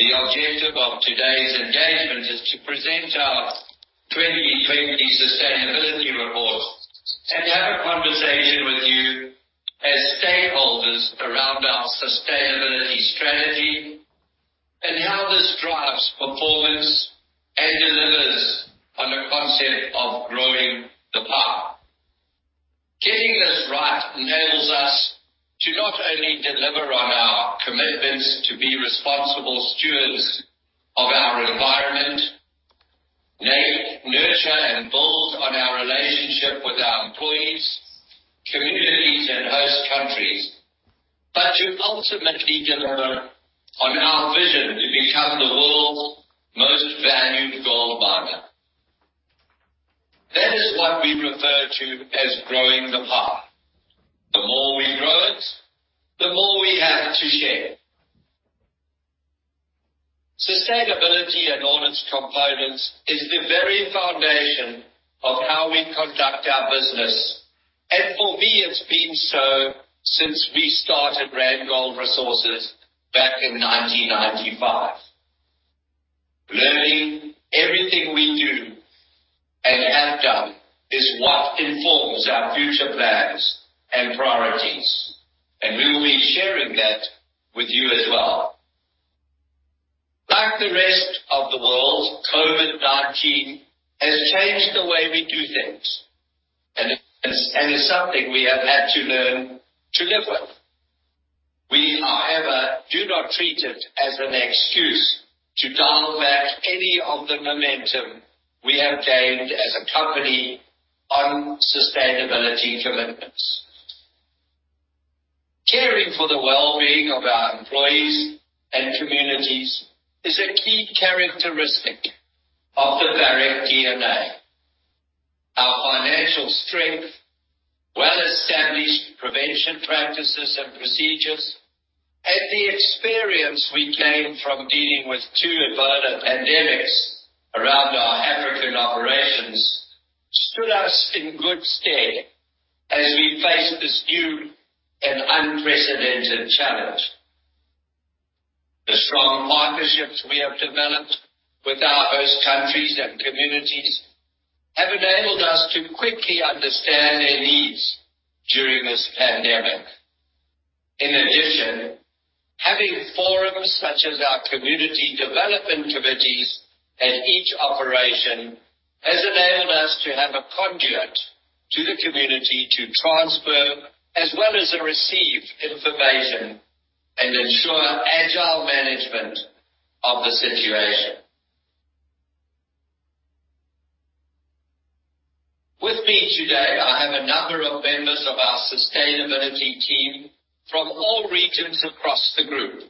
The objective of today's engagement is to present our 2020 sustainability report and have a conversation with you as stakeholders around our sustainability strategy and how this drives performance and delivers on the concept of growing the pie. Getting this right enables us to not only deliver on our commitments to be responsible stewards of our environment, nurture and build on our relationship with our employees, communities, and host countries, but to ultimately deliver on our vision to become the world's most valued gold miner. That is what we refer to as growing the pie. The more we grow it, the more we have to share. Sustainability and all its components is the very foundation of how we conduct our business, and for me, it's been so since we started Randgold Resources back in 1995. Learning everything we do and have done is what informs our future plans and priorities, and we will be sharing that with you as well. Like the rest of the world, COVID-19 has changed the way we do things, and it's something we have had to learn to live with. We, however, do not treat it as an excuse to dial back any of the momentum we have gained as a company on sustainability commitments. Caring for the wellbeing of our employees and communities is a key characteristic of the Barrick DNA. Our financial strength, well-established prevention practices and procedures, and the experience we gained from dealing with two Ebola pandemics around our African operations stood us in good stead as we face this new and unprecedented challenge. The strong partnerships we have developed with our host countries and communities have enabled us to quickly understand their needs during this pandemic. In addition, having forums such as our community development committees at each operation has enabled us to have a conduit to the community to transfer as well as receive information and ensure agile management of the situation. With me today, I have a number of members of our sustainability team from all regions across the group.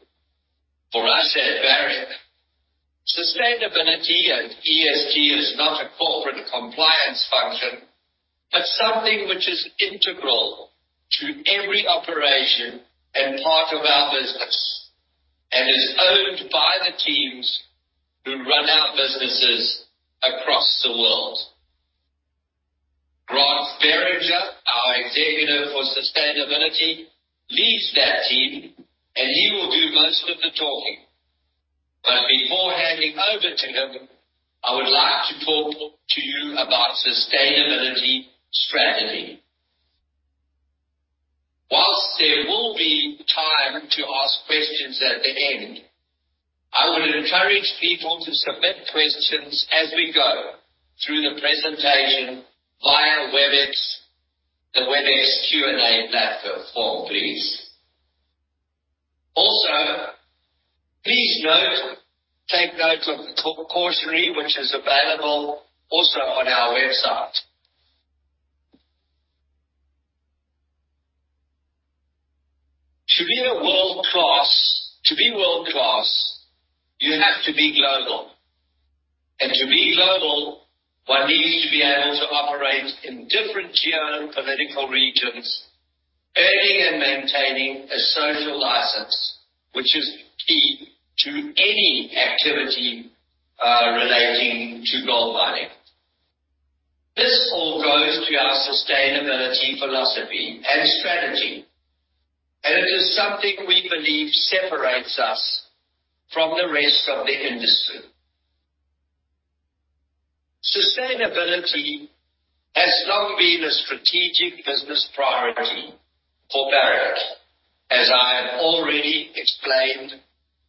For us at Barrick, sustainability and ESG is not a corporate compliance function, but something which is integral to every operation and part of our business and is owned by the teams who run our businesses across the world. Grant Beringer, our Executive for Sustainability, leads that team, and he will do most of the talking. Before handing over to him, I would like to talk to you about sustainability strategy. Whilst there will be time to ask questions at the end, I would encourage people to submit questions as we go through the presentation via the WebEx Q&A platform, please. Please take note of the cautionary which is available also on our website. To be world-class, you have to be global. To be global, one needs to be able to operate in different geopolitical regions, earning and maintaining a social license, which is key to any activity relating to gold mining. This all goes to our sustainability philosophy and strategy, and it is something we believe separates us from the rest of the industry. Sustainability has long been a strategic business priority for Barrick. As I have already explained,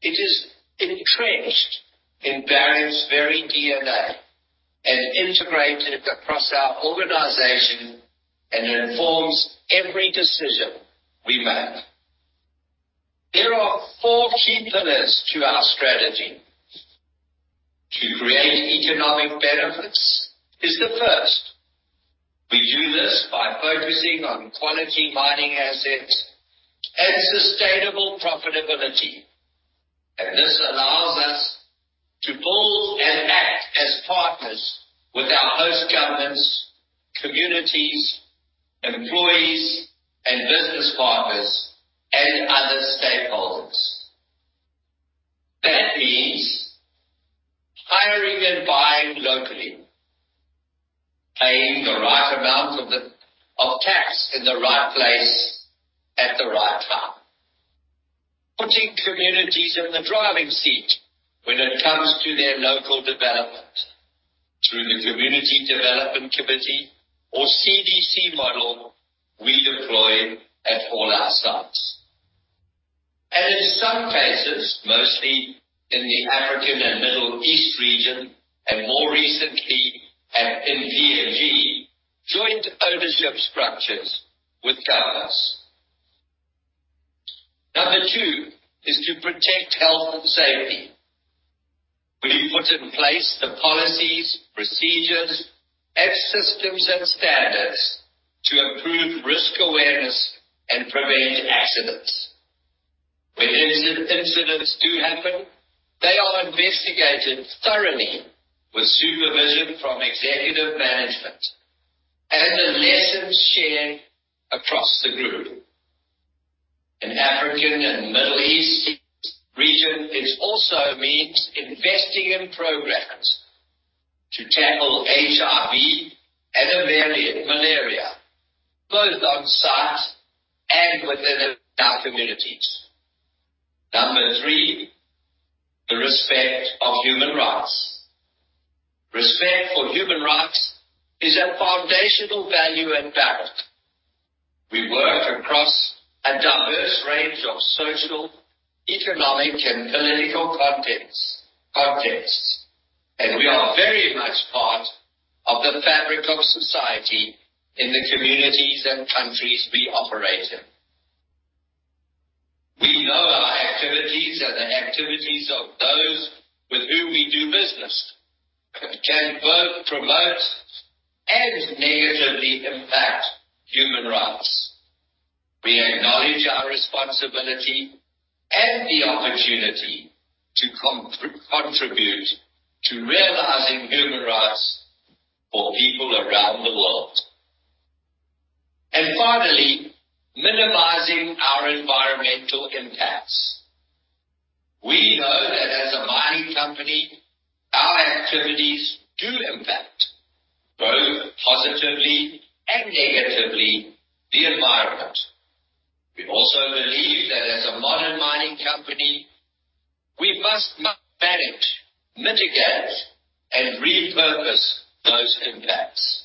it is entrenched in Barrick's very DNA and integrated across our organization and informs every decision we make. There are four key pillars to our strategy. To create economic benefits is the first. We do this by focusing on quality mining assets and sustainable profitability. This allows us to build and act as partners with our host governments, communities, employees, and business partners and other stakeholders. That means, at the right time, putting communities in the driving seat when it comes to their local development through the Community Development Committee or CDC model we deploy at all our sites. In some cases, mostly in the African and Middle East region, and more recently at NVLG, joint ownership structures with governments. Number two is to protect health and safety. We put in place the policies, procedures, and systems and standards to improve risk awareness and prevent accidents. When incidents do happen, they are investigated thoroughly with supervision from executive management and the lessons shared across the group. In African and Middle East Region, it also means investing in programs to tackle HIV and Malaria, both on site and within our communities. Number three, the respect of human rights. Respect for human rights is a foundational value at Barrick. We work across a diverse range of social, economic, and political contexts. We are very much part of the fabric of society in the communities and countries we operate in. We know our activities and the activities of those with whom we do business can both promote and negatively impact human rights. We acknowledge our responsibility and the opportunity to contribute to realizing human rights for people around the world. Finally, minimizing our environmental impacts. We know that as a mining company, our activities do impact, both positively and negatively, the environment. We also believe that as a modern mining company, we must manage, mitigate, and repurpose those impacts.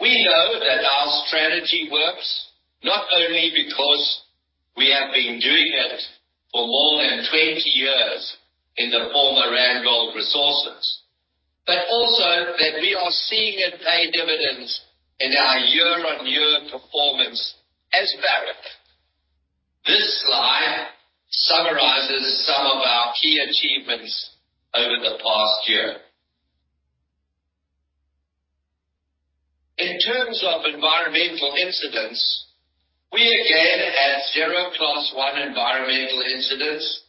We know that our strategy works, not only because we have been doing it for more than 20 years in the former Randgold Resources, but also that we are seeing it pay dividends in our year-on-year performance as Barrick. This slide summarizes some of our key achievements over the past year. In terms of environmental incidents, we again had zero Class one environmental incidents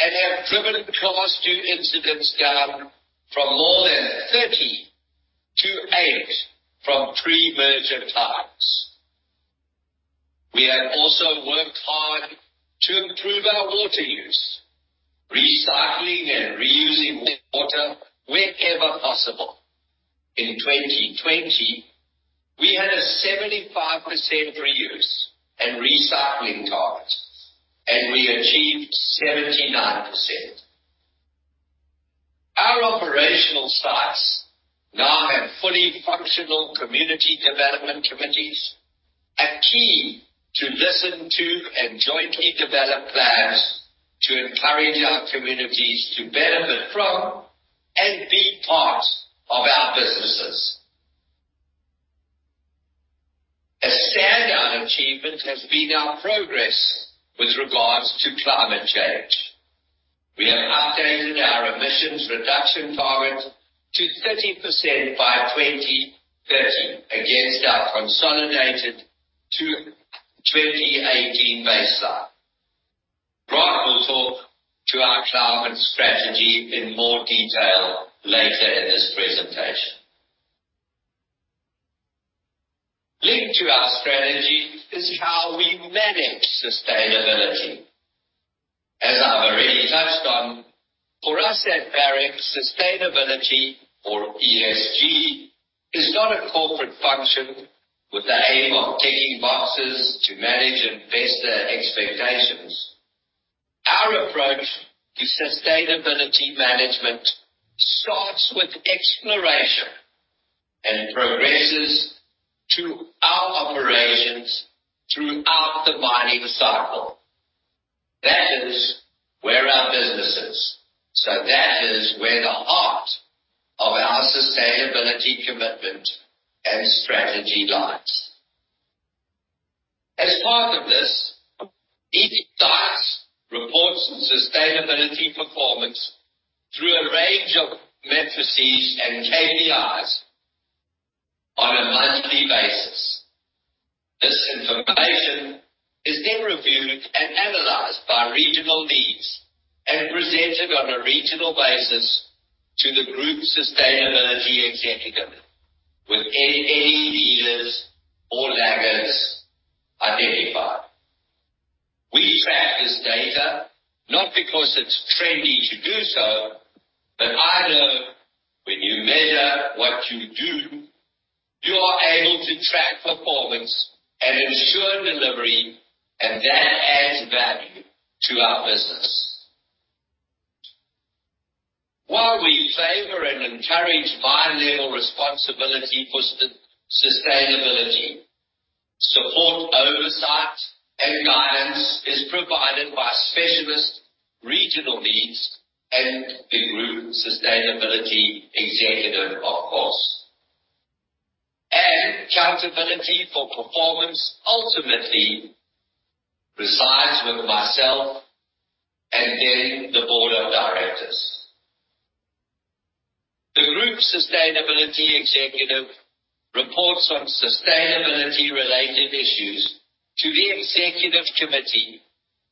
and have driven Class two incidents down from more than 30 to eight from pre-merger times. We have also worked hard to improve our water use, recycling and reusing water wherever possible. In 2020, we had a 75% reuse and recycling target, and we achieved 79%. Our operational sites now have fully functional community development committees, a key to listen to and jointly develop plans to encourage our communities to benefit from and be part of our businesses. A standout achievement has been our progress with regards to climate change. We have updated our emissions reduction target to 30% by 2030 against our consolidated to 2018 baseline. Brock will talk to our climate strategy in more detail later in this presentation. Linked to our strategy is how we manage sustainability. As I've already touched on, for us at Barrick, sustainability or ESG is not a corporate function with the aim of ticking boxes to manage investor expectations. Our approach to sustainability management starts with exploration and progresses to our operations throughout the mining cycle. That is where our business is, so that is where the heart of our sustainability commitment and strategy lies. As part of this, each site reports its sustainability performance through a range of matrices and KPIs on a monthly basis. This information is then reviewed and analyzed by regional leads and presented on a regional basis to the Group Sustainability Executive with any leaders or laggards identified. We track this data not because it's trendy to do so, but I know when you measure what you do, you are able to track performance and ensure delivery, that adds value to our business. While we favor and encourage my level of responsibility for sustainability, support oversight and guidance is provided by specialist regional leads and the Group Sustainability Executive, of course. Accountability for performance ultimately resides with myself and then the Board of Directors. The Group Sustainability Executive reports on sustainability-related issues to the Executive Committee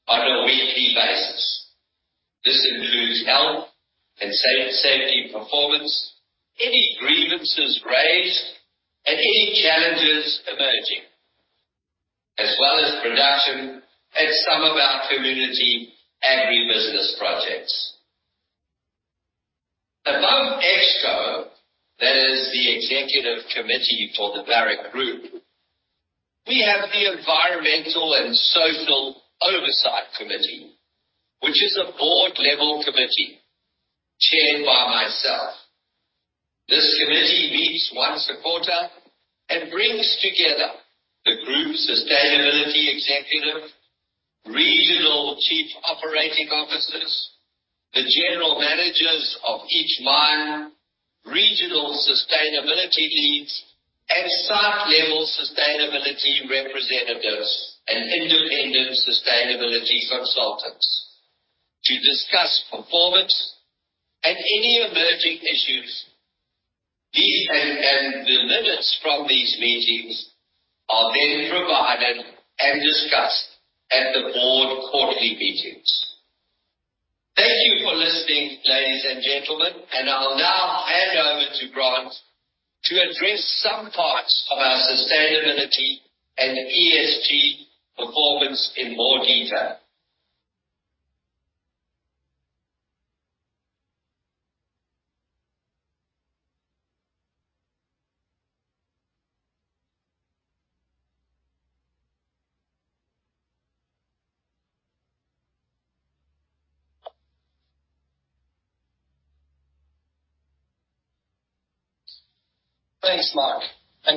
on a weekly basis. This includes health and safety performance, any grievances raised, and any challenges emerging, as well as production at some of our community agri-business projects. Above ExCo, that is the Executive Committee for the Barrick Group, we have the Environmental and Social Oversight Committee, which is a board-level committee chaired by myself. This committee meets once a quarter and brings together the Group Sustainability Executive, Regional Chief Operating Officers, the General Managers of each mine, Regional Sustainability Leads, and Site-Level Sustainability Representatives and Independent Sustainability Consultants to discuss performance and any emerging issues. These and the minutes from these meetings are provided and discussed at the board quarterly meetings. Thank you for listening, ladies and gentlemen. I'll now hand over to Grant to address some parts of our sustainability and ESG performance in more detail. Thanks, Mark.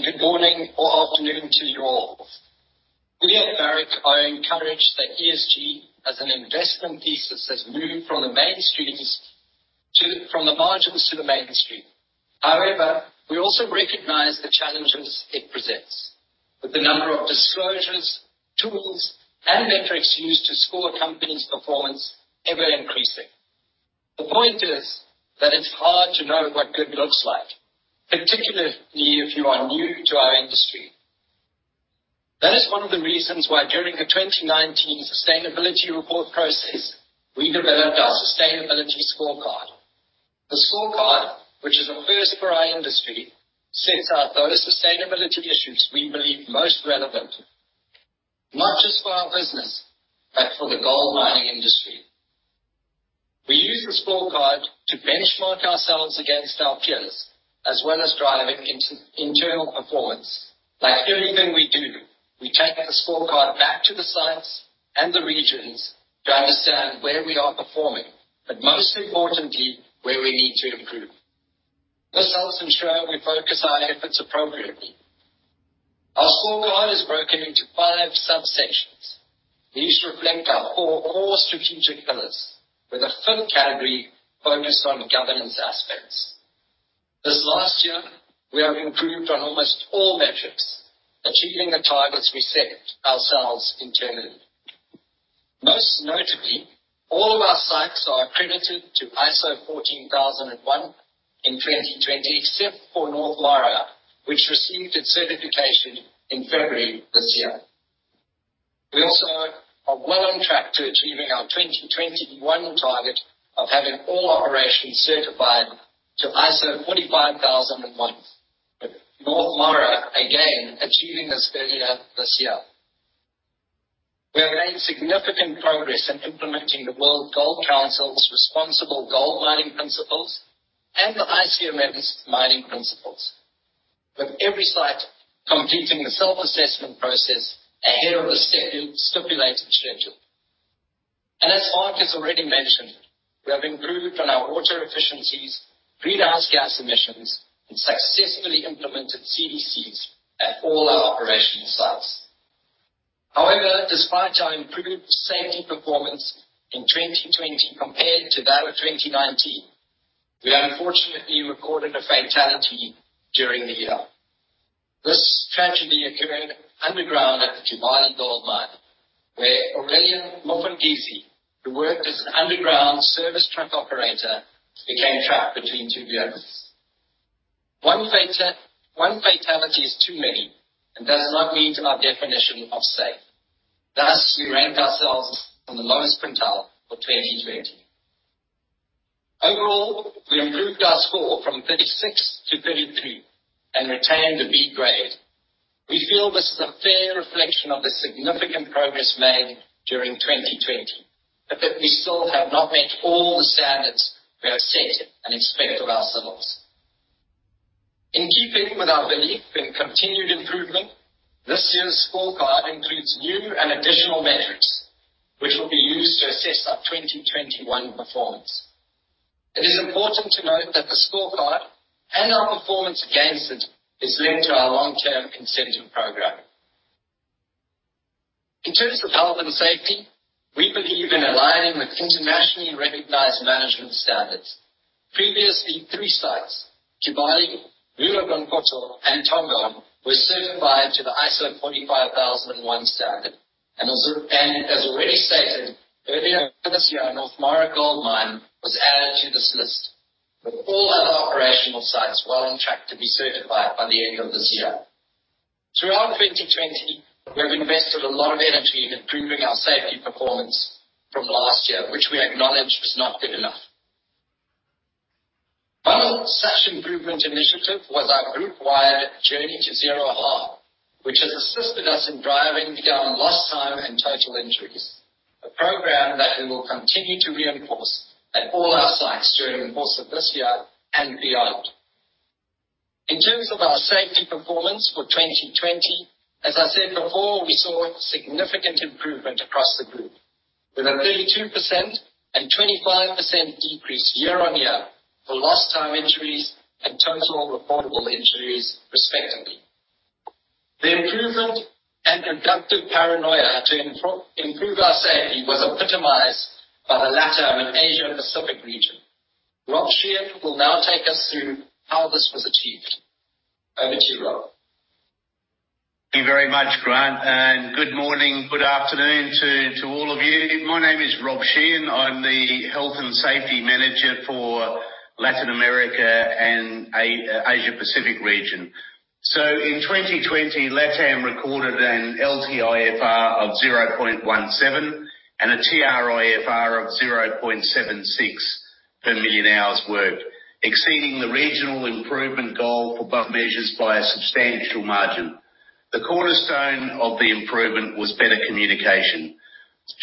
Good morning or afternoon to you all. We at Barrick are encouraged that ESG as an investment thesis has moved from the margins to the mainstream. However, we also recognize the challenges it presents with the number of disclosures, tools, and metrics used to score a company's performance ever-increasing. The point is that it's hard to know what good looks like, particularly if you are new to our industry. That is one of the reasons why during the 2019 sustainability report process, we developed our sustainability scorecard. The scorecard, which is a first for our industry, sets out those sustainability issues we believe most relevant, not just for our business but for the gold mining industry. We use the scorecard to benchmark ourselves against our peers, as well as driving internal performance. Like everything we do, we take the scorecard back to the sites and the regions to understand where we are performing, most importantly, where we need to improve. This helps ensure we focus our efforts appropriately. Our scorecard is broken into five subsections. These reflect our four core strategic pillars with a fifth category focused on governance aspects. This last year, we have improved on almost all metrics, achieving the targets we set ourselves internally. Most notably, all of our sites are accredited to ISO 14001 in 2020, except for North Mara, which received its certification in February this year. We also are well on track to achieving our 2021 target of having all operations certified to ISO 45001. North Mara, again, achieving this earlier this year. We have made significant progress in implementing the World Gold Council's Responsible Gold Mining Principles and the ICMM's mining principles with every site completing the self-assessment process ahead of the stipulated schedule. As Mark has already mentioned, we have improved on our water efficiencies, greenhouse gas emissions, and successfully implemented CDCs at all our operational sites. However, despite our improved safety performance in 2020 compared to that of 2019, we unfortunately recorded a fatality during the year. This tragedy occurred underground at the Tivoli Gold Mine, where Aurelian Mofengese, who worked as an underground service truck operator, became trapped between two vehicles. One fatality is too many and does not meet our definition of safe. Thus, we ranked ourselves in the lowest quintile for 2020. Overall, we improved our score from 36 to 33 and retained a B grade. We feel this is a fair reflection of the significant progress made during 2020, but that we still have not met all the standards we have set and expect of ourselves. In keeping with our belief in continued improvement, this year's scorecard includes new and additional metrics, which will be used to assess our 2021 performance. It is important to note that the scorecard and our performance against it is linked to our long-term incentive program. In terms of health and safety, we believe in aligning with internationally recognized management standards. Previously, three sites, Kibali, Loulo-Gounkoto, and Tongon, were certified to the ISO 45001 standard. As already stated earlier this year, North Mara Gold Mine was added to this list, with all other operational sites well on track to be certified by the end of this year. Throughout 2020, we have invested a lot of energy in improving our safety performance from last year, which we acknowledge was not good enough. One such improvement initiative was our group-wide Journey to Zero harm, which has assisted us in driving down lost time and total injuries, a program that we will continue to reinforce at all our sites during the course of this year and beyond. In terms of our safety performance for 2020, as I said before, we saw significant improvement across the group with a 32% and 25% decrease year-on-year for lost time injuries and total reportable injuries, respectively. The improvement and productive paranoia to improve our safety was epitomized by the latter in Asia Pacific region. Rob Sheehan will now take us through how this was achieved. Over to you, Rob. Thank you very much, Grant. Good morning, good afternoon to all of you. My name is Robert Samek. I'm the health and safety manager for Latin America and Asia Pacific region. In 2020, LATAM recorded an LTIFR of 0.17 and a TRIFR of 0.76 per million hours worked, exceeding the regional improvement goal for both measures by a substantial margin. The cornerstone of the improvement was better communication.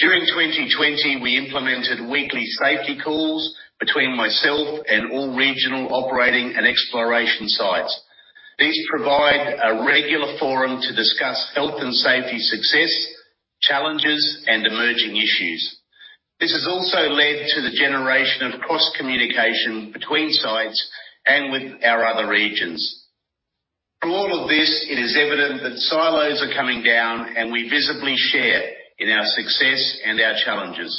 During 2020, we implemented weekly safety calls between myself and all regional operating and exploration sites. These provide a regular forum to discuss health and safety success, challenges, and emerging issues. This has also led to the generation of cross-communication between sites and with our other regions. Through all of this, it is evident that silos are coming down, and we visibly share in our success and our challenges.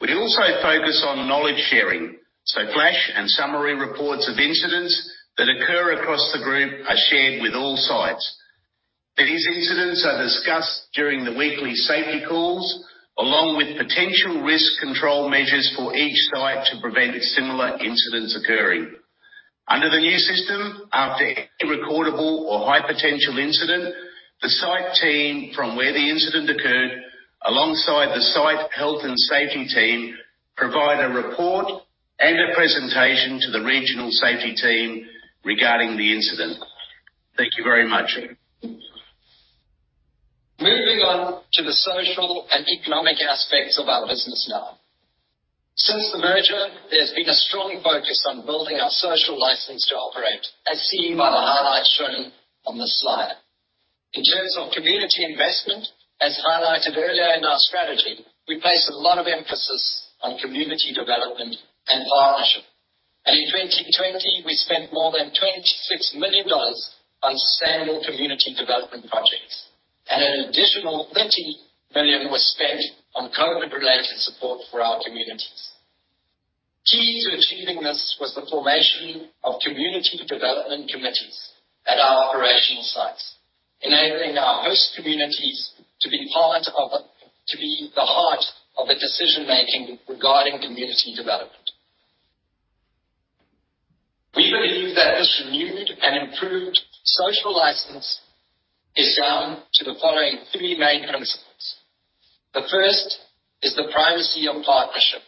We also focus on knowledge sharing, so flash and summary reports of incidents that occur across the group are shared with all sites. These incidents are discussed during the weekly safety calls, along with potential risk control measures for each site to prevent similar incidents occurring. Under the new system, after any recordable or high potential incident, the site team from where the incident occurred, alongside the site health and safety team, provide a report and a presentation to the regional safety team regarding the incident. Thank you very much. Moving on to the social and economic aspects of our business now. Since the merger, there's been a strong focus on building our social license to operate, as seen by the highlights shown on this slide. In terms of community investment, as highlighted earlier in our strategy, we place a lot of emphasis on community development and partnership. In 2020, we spent more than $26 million on sustainable community development projects, and an additional $30 million was spent on COVID-related support for our communities. Key to achieving this was the formation of community development committees at our operational sites, enabling our host communities to be the heart of the decision-making regarding community development. We believe that this renewed and improved social license is down to the following three main principles. The first is the primacy of partnership.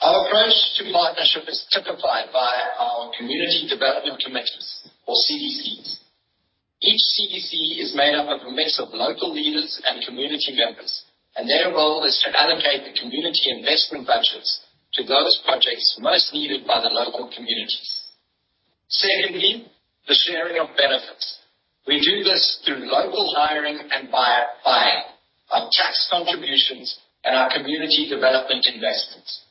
Our approach to partnership is typified by our Community Development Committees or CDCs. Each CDC is made up of a mix of local leaders and community members. Their role is to allocate the community investment budgets to those projects most needed by the local communities. Secondly, the sharing of benefits. We do this through local hiring and buyer buying, our tax contributions, and our community development investments.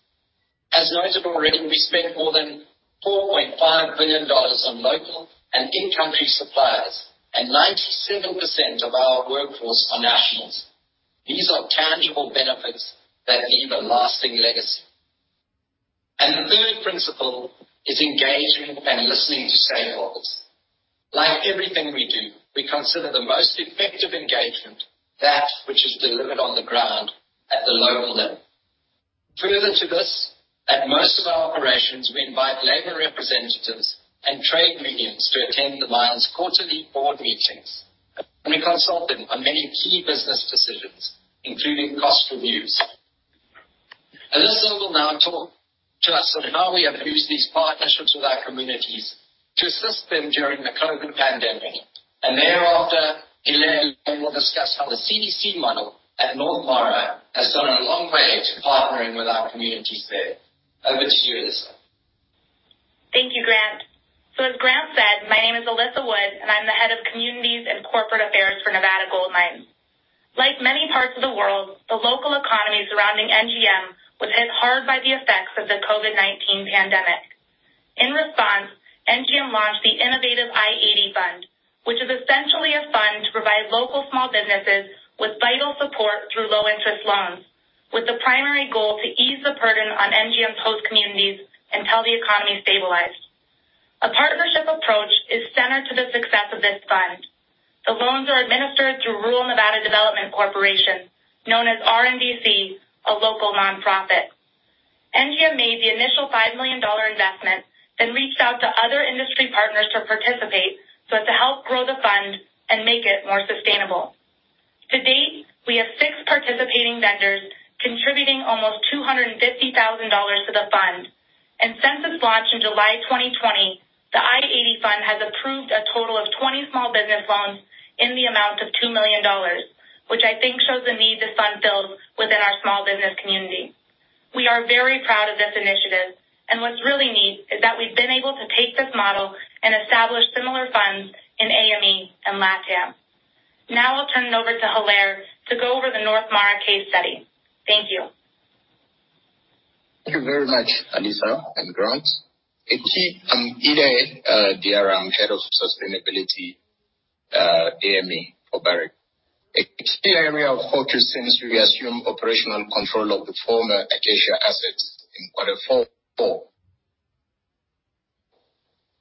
As noted already, we spent more than $4.5 billion on local and in-country suppliers. 97% of our workforce are nationals. These are tangible benefits that leave a lasting legacy. The third principle is engaging and listening to stakeholders. Like everything we do, we consider the most effective engagement that which is delivered on the ground at the local level. Further to this, at most of our operations, we invite labor representatives and trade unions to attend the mine's quarterly board meetings, and we consult them on many key business decisions, including cost reviews. Alissa will now talk to us on how we have used these partnerships with our communities to assist them during the COVID-19 pandemic, and thereafter, Hilaire then will discuss how the CDC model at North Mara has gone a long way to partnering with our communities there. Over to you, Alissa. Thank you, Grant. As Grant said, my name is Alissa Wood, and I'm the head of communities and corporate affairs for Nevada Gold Mines. Like many parts of the world, the local economy surrounding NGM was hit hard by the effects of the COVID-19 pandemic. In response, NGM launched the innovative I-80 Fund, which is essentially a fund to provide local small businesses with vital support through low-interest loans, with the primary goal to ease the burden on NGM host communities until the economy stabilized. A partnership approach is centered to the success of this fund. The loans are administered through Rural Nevada Development Corporation, known as RNDC, a local non-profit. NGM made the initial $5 million investment, then reached out to other industry partners to participate, so as to help grow the fund and make it more sustainable. To date, we have six participating vendors contributing almost $250,000 to the fund. Since its launch in July 2020, the I-80 Fund has approved a total of 20 small business loans in the amount of $2 million, which I think shows the need this fund fills within our small business community. We are very proud of this initiative, and what's really neat is that we've been able to take this model and establish similar funds in AME and LATAM. Now I'll turn it over to Hilaire to go over the North Mara case study. Thank you. Thank you very much, Alissa and Grant. I'm Hilaire Diarra. I'm head of sustainability, AME for Barrick. A key area of focus since we assumed operational control of the former Acacia assets in quarter four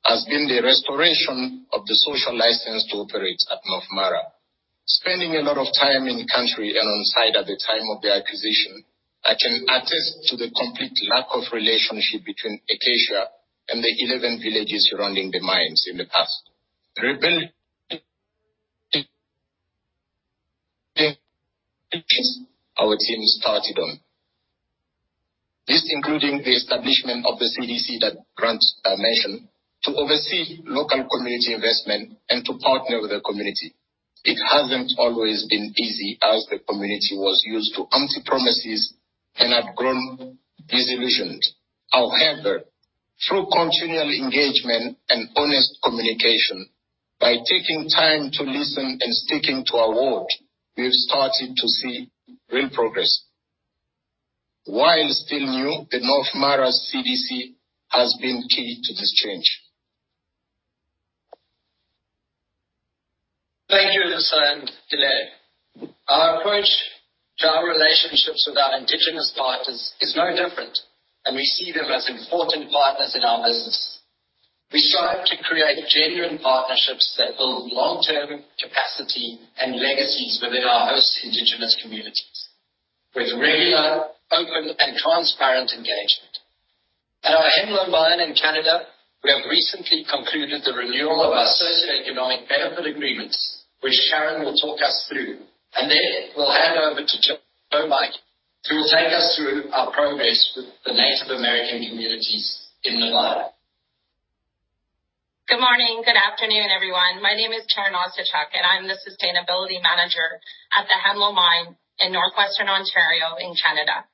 has been the restoration of the social license to operate at North Mara. Spending a lot of time in country and on-site at the time of the acquisition, I can attest to the complete lack of relationship between Acacia and the 11 villages surrounding the mines in the past. Our team started on. This including the establishment of the CDC that Grant mentioned to oversee local community investment and to partner with the community. It hasn't always been easy as the community was used to empty promises and had grown disillusioned. However, through continual engagement and honest communication, by taking time to listen and sticking to our word, we've started to see real progress. While still new, the North Mara's CDC has been key to this change. Thank you, Alissa and Hilaire. Our approach to our relationships with our indigenous partners is no different, and we see them as important partners in our business. We strive to create genuine partnerships that build long-term capacity and legacies within our host indigenous communities with regular, open, and transparent engagement. At our Hemlo Mine in Canada, we have recently concluded the renewal of our socioeconomic benefit agreements, which Sharon will talk us through. Then we'll hand over to Joe Mike, who will take us through our progress with the Native American communities in Nevada. Good morning, good afternoon, everyone. My name is Sharon Osuchak, and I'm the Sustainability Manager at the Hemlo Mine in northwestern Ontario in Canada.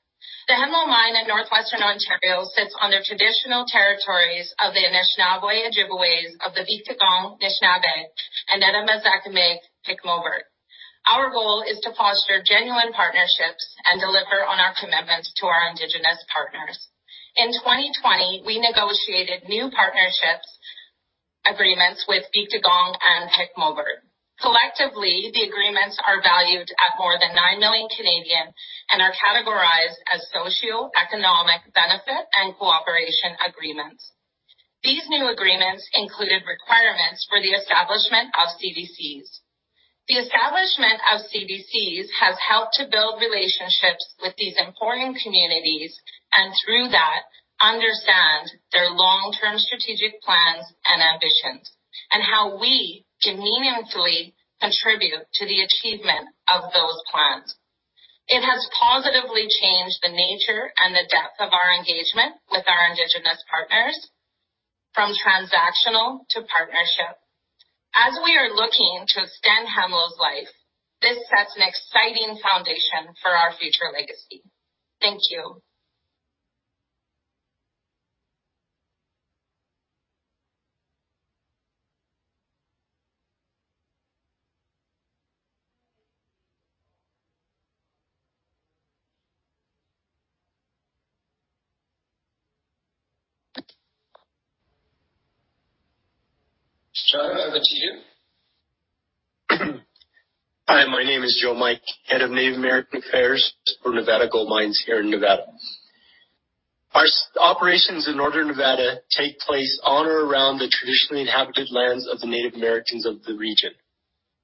The Hemlo Mine in northwestern Ontario sits on the traditional territories of the Anishinaabe Ojibwaes of the Biigtigong, Anishinaabe, and Edma Zaakminiig Pikmuwaad. Our goal is to foster genuine partnerships and deliver on our commitments to our indigenous partners. In 2020, we negotiated new partnerships agreements with Biigtigong and Pikmuwaad. Collectively, the agreements are valued at more than 9 million and are categorized as socioeconomic benefit and cooperation agreements. These new agreements included requirements for the establishment of CDCs. The establishment of CDCs has helped to build relationships with these important communities and through that, understand their long-term strategic plans and ambitions and how we can meaningfully contribute to the achievement of those plans. It has positively changed the nature and the depth of our engagement with our indigenous partners from transactional to partnership. As we are looking to extend Hemlo's life, this sets an exciting foundation for our future legacy. Thank you. Sharon, over to you. Hi, my name is Joe Mike, Head of Native American Affairs for Nevada Gold Mines here in Nevada. Our operations in northern Nevada take place on or around the traditionally inhabited lands of the Native Americans of the region.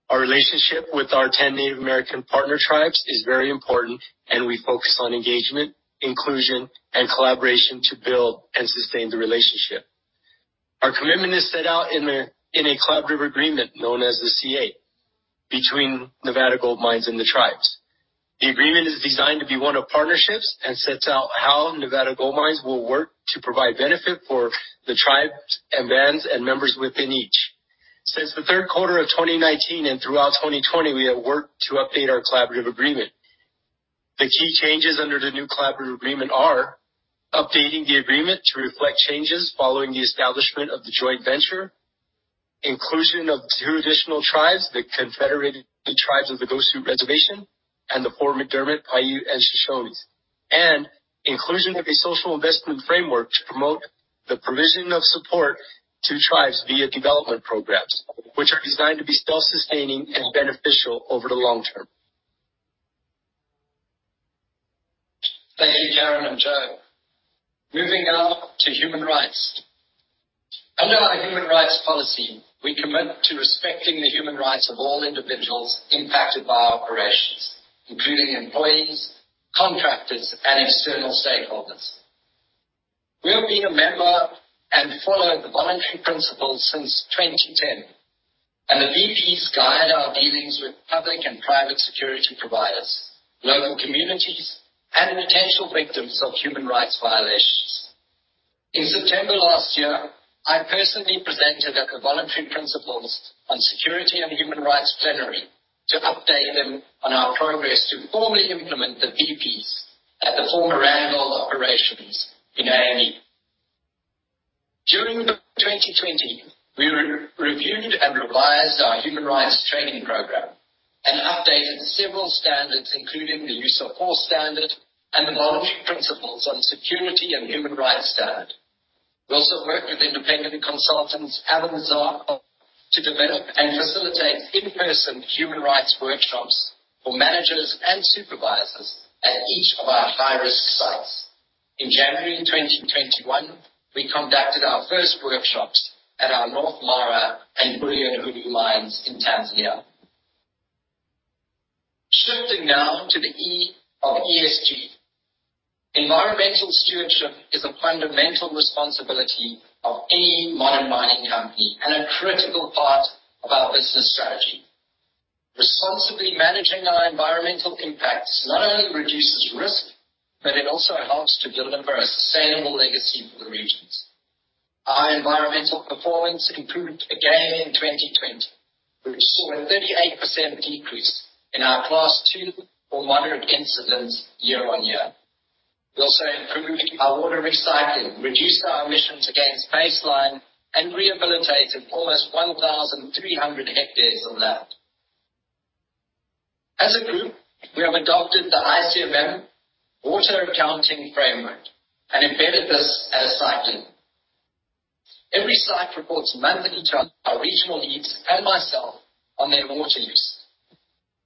Our relationship with our 10 Native American partner tribes is very important, and we focus on engagement, inclusion, and collaboration to build and sustain the relationship. Our commitment is set out in a collaborative agreement, known as the CA, between Nevada Gold Mines and the tribes. The agreement is designed to be one of partnerships and sets out how Nevada Gold Mines will work to provide benefit for the tribes and bands and members within each. Since the third quarter of 2019 and throughout 2020, we have worked to update our collaborative agreement. The key changes under the new collaborative agreement are updating the agreement to reflect changes following the establishment of the joint venture, inclusion of two additional tribes, the Confederated Tribes of the Goshute Reservation and the Fort McDermitt Paiute and Shoshone Tribe, and inclusion of a social investment framework to promote the provision of support to tribes via development programs, which are designed to be self-sustaining and beneficial over the long term. Thank you, Darren and Joe. Moving now to human rights. Under our human rights policy, we commit to respecting the human rights of all individuals impacted by our operations, including employees, contractors, and external stakeholders. We have been a member and followed the Voluntary Principles since 2010, and the VPs guide our dealings with public and private security providers, local communities, and potential victims of human rights violations. In September last year, I personally presented at the Voluntary Principles on Security and Human Rights Plenary to update them on our progress to formally implement the VPs at the former Randgold operations in Haiti. During 2020, we reviewed and revised our human rights training program and updated several standards, including the use of force standard and the Voluntary Principles on Security and Human Rights standard. We also worked with independent consultants, Avanzar, to develop and facilitate in-person human rights workshops for managers and supervisors at each of our high-risk sites. In January 2021, we conducted our first workshops at our North Mara and Bulyanhulu mines in Tanzania. Shifting now to the E of ESG. Environmental stewardship is a fundamental responsibility of any modern mining company and a critical part of our business strategy. Responsibly managing our environmental impacts not only reduces risk, but it also helps to deliver a sustainable legacy for the regions. Our environmental performance improved again in 2020. We saw a 38% decrease in our class two or moderate incidents year on year. We also improved our water recycling, reduced our emissions against baseline, and rehabilitated almost 1,300 hectares of land. As a group, we have adopted the ICMM water accounting framework and embedded this as a cycle. Every site reports monthly to our regional leads and myself on their water use.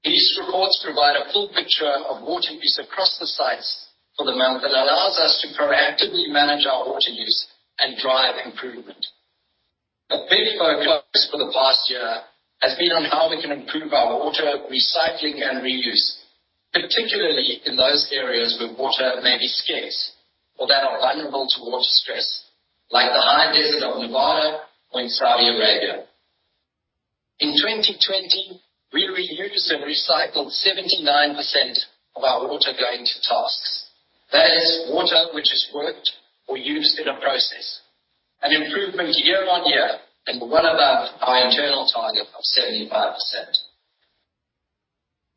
These reports provide a full picture of water use across the sites for the month and allows us to proactively manage our water use and drive improvement. A big focus for the past year has been on how we can improve our water recycling and reuse, particularly in those areas where water may be scarce or that are vulnerable to water stress, like the high desert of Nevada or in Saudi Arabia. In 2020, we reused and recycled 79% of our water going to tasks. That is water which is worked or used in a process, an improvement year on year and well above our internal target of 75%.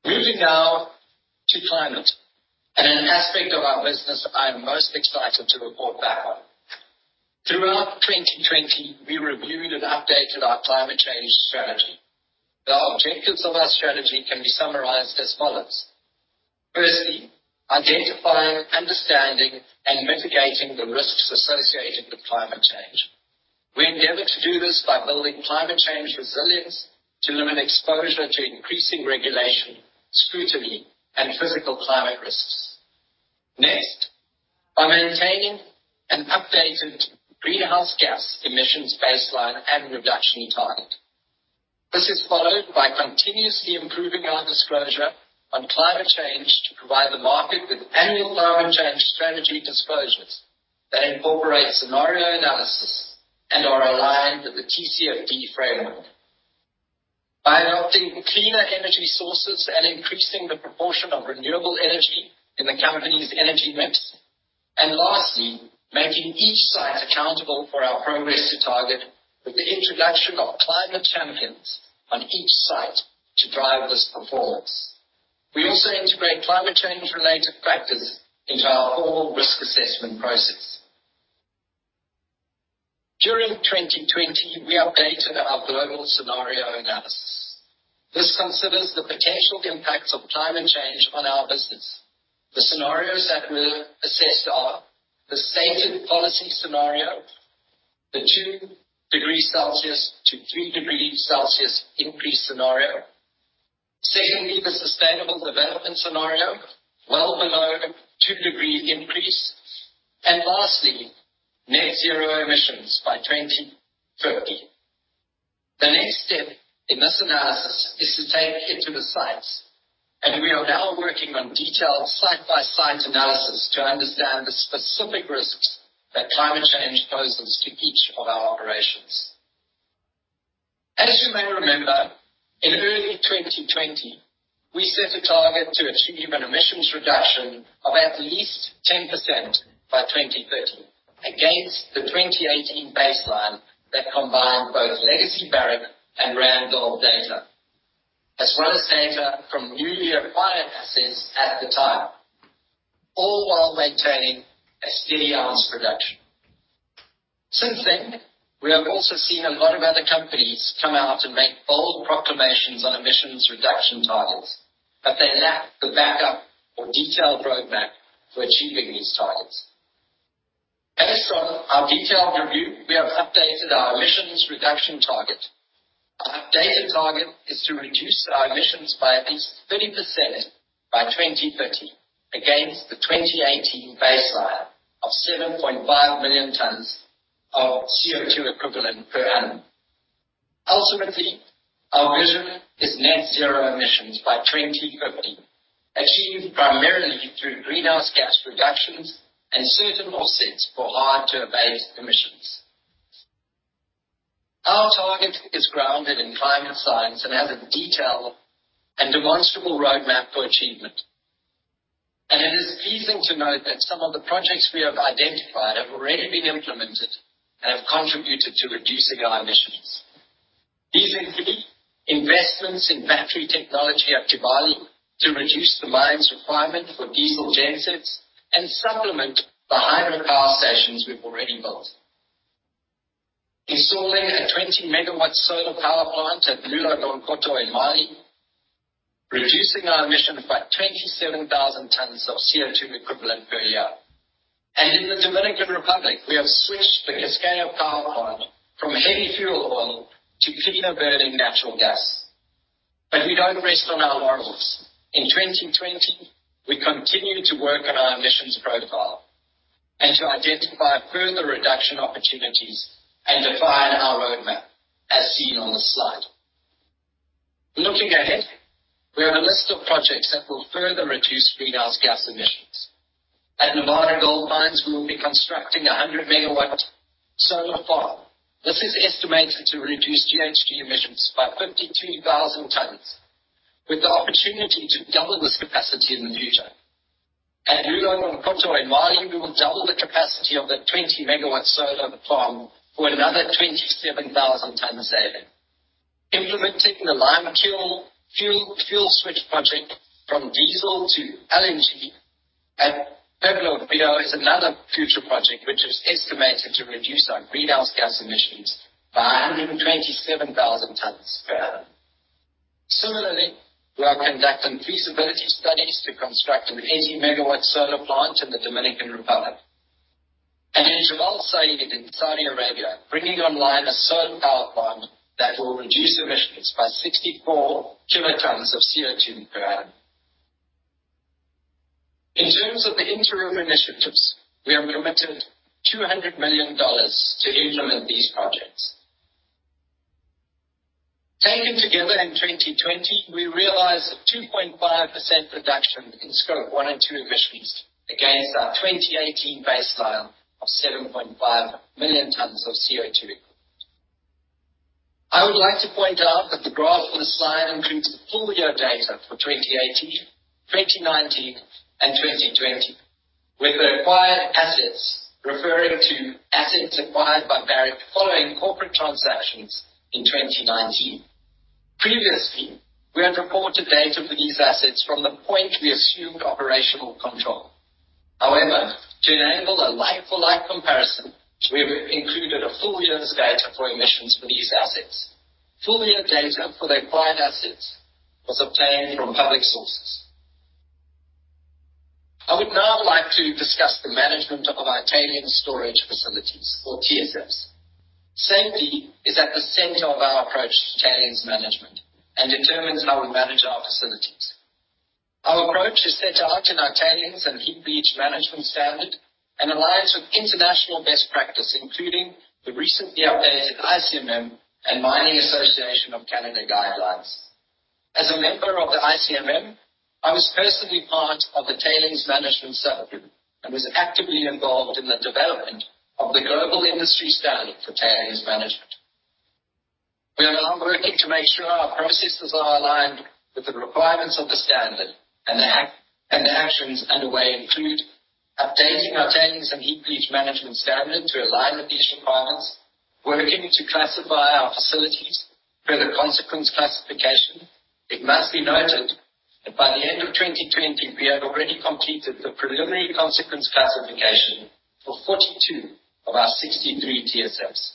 Moving now to climate and an aspect of our business I am most excited to report back on. Throughout 2020, we reviewed and updated our climate change strategy. The objectives of our strategy can be summarized as follows. Firstly, identifying, understanding, and mitigating the risks associated with climate change. We endeavor to do this by building climate change resilience to limit exposure to increasing regulation, scrutiny, and physical climate risks. Next, by maintaining an updated greenhouse gas emissions baseline and reduction target. This is followed by continuously improving our disclosure on climate change to provide the market with annual climate change strategy disclosures that incorporate scenario analysis and are aligned with the TCFD framework. By adopting cleaner energy sources and increasing the proportion of renewable energy in the company's energy mix. Lastly, making each site accountable for our progress to target with the introduction of climate champions on each site to drive this performance. We also integrate climate change-related factors into our whole risk assessment process. During 2020, we updated our global scenario analysis. This considers the potential impacts of climate change on our business. The scenarios that were assessed are the stated policy scenario, the two degrees Celsius to three degrees Celsius increase scenario. Secondly, the sustainable development scenario, well below two degree increase. Lastly, net zero emissions by 2050. The next step in this analysis is to take it to the sites, and we are now working on detailed site-by-site analysis to understand the specific risks that climate change poses to each of our operations. As you may remember, in early 2020, we set a target to achieve an emissions reduction of at least 10% by 2030 against the 2018 baseline that combined both legacy Barrick and Randgold data, as well as data from newly acquired assets at the time, all while maintaining a steady ounce production. Since then, we have also seen a lot of other companies come out and make bold proclamations on emissions reduction targets, but they lack the backup or detailed roadmap to achieving these targets. Based on our detailed review, we have updated our emissions reduction target. Our updated target is to reduce our emissions by at least 30% by 2030 against the 2018 baseline of 7.5 million tons of CO2 equivalent per annum. Ultimately, our vision is net zero emissions by 2050, achieved primarily through greenhouse gas reductions and certain offsets for hard-to-abate emissions. Our target is grounded in climate science and has a detailed and demonstrable roadmap for achievement. It is pleasing to note that some of the projects we have identified have already been implemented and have contributed to reducing our emissions. These include investments in battery technology at Tivoli to reduce the mine's requirement for diesel gen sets and supplement the hydropower stations we've already built. Installing a 20-megawatt solar power plant at Loulo-Gounkoto in Mali, reducing our emissions by 27,000 tons of CO2 equivalent per year. In the Dominican Republic, we have switched the Cascabel power plant from heavy fuel oil to cleaner-burning natural gas. We don't rest on our laurels. In 2020, we continued to work on our emissions profile and to identify further reduction opportunities and define our roadmap, as seen on the slide. Looking ahead, we have a list of projects that will further reduce greenhouse gas emissions. At Nevada Gold Mines, we will be constructing a 100-megawatt solar farm. This is estimated to reduce GHG emissions by 52,000 tons, with the opportunity to double this capacity in the future. At Loulo-Gounkoto in Mali, we will double the capacity of the 20-megawatt solar farm for another 27,000 tons saving. Implementing the lime kiln fuel switch project from diesel to LNG at Pueblo Viejo is another future project which is estimated to reduce our greenhouse gas emissions by 127,000 tons per annum. Similarly, we are conducting feasibility studies to construct an 80-megawatt solar plant in the Dominican Republic. In Jabal Sayid, Saudi Arabia, bringing online a solar power plant that will reduce emissions by 64 kilotons of CO2 per annum. In terms of the interim initiatives, we have committed $200 million to implement these projects. Taken together in 2020, we realized a 2.5% reduction in scope one and two emissions against our 2018 baseline of 7.5 million tons of CO2 equivalent. I would like to point out that the graph on the slide includes full-year data for 2018, 2019, and 2020, with the acquired assets referring to assets acquired by Barrick following corporate transactions in 2019. Previously, we had reported data for these assets from the point we assumed operational control. However, to enable a like-for-like comparison, we have included a full year's data for emissions for these assets. Full-year data for the acquired assets was obtained from public sources. I would now like to discuss the management of our tailings storage facilities or TSFs. Safety is at the center of our approach to tailings management and determines how we manage our facilities. Our approach is set out in our tailings and heap leach management standard and aligns with international best practice, including the recently updated ICMM and Mining Association of Canada guidelines. As a member of the ICMM, I was personally part of the tailings management subgroup and was actively involved in the development of the Global Industry Standard on Tailings Management. We are now working to make sure our processes are aligned with the requirements of the standard, and the actions underway include updating our tailings and heap leach management standard to align with these requirements, working to classify our facilities per the consequence classification. It must be noted that by the end of 2020, we have already completed the preliminary consequence classification for 42 of our 63 TSFs.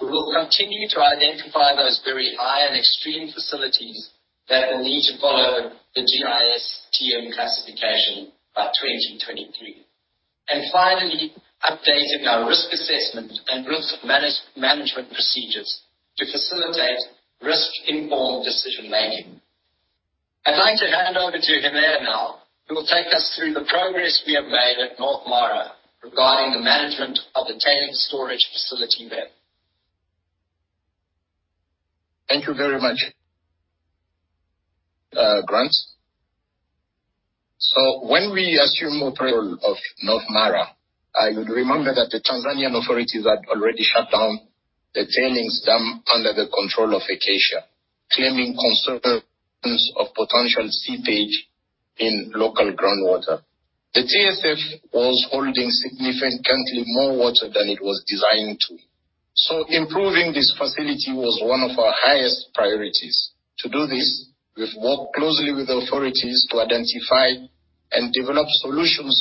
We will continue to identify those very high and extreme facilities that will need to follow the GISTM classification by 2023. Finally, updating our risk assessment and risk management procedures to facilitate risk-informed decision-making. I'd like to hand over to Hillel now, who will take us through the progress we have made at North Mara regarding the management of the tailings storage facility there. Thank you very much, Grant. When we assumed control of North Mara, I would remember that the Tanzanian authorities had already shut down the tailings dam under the control of Acacia, claiming concerns of potential seepage in local groundwater. The TSF was holding significantly more water than it was designed to. Improving this facility was one of our highest priorities. To do this, we've worked closely with the authorities to identify and develop solutions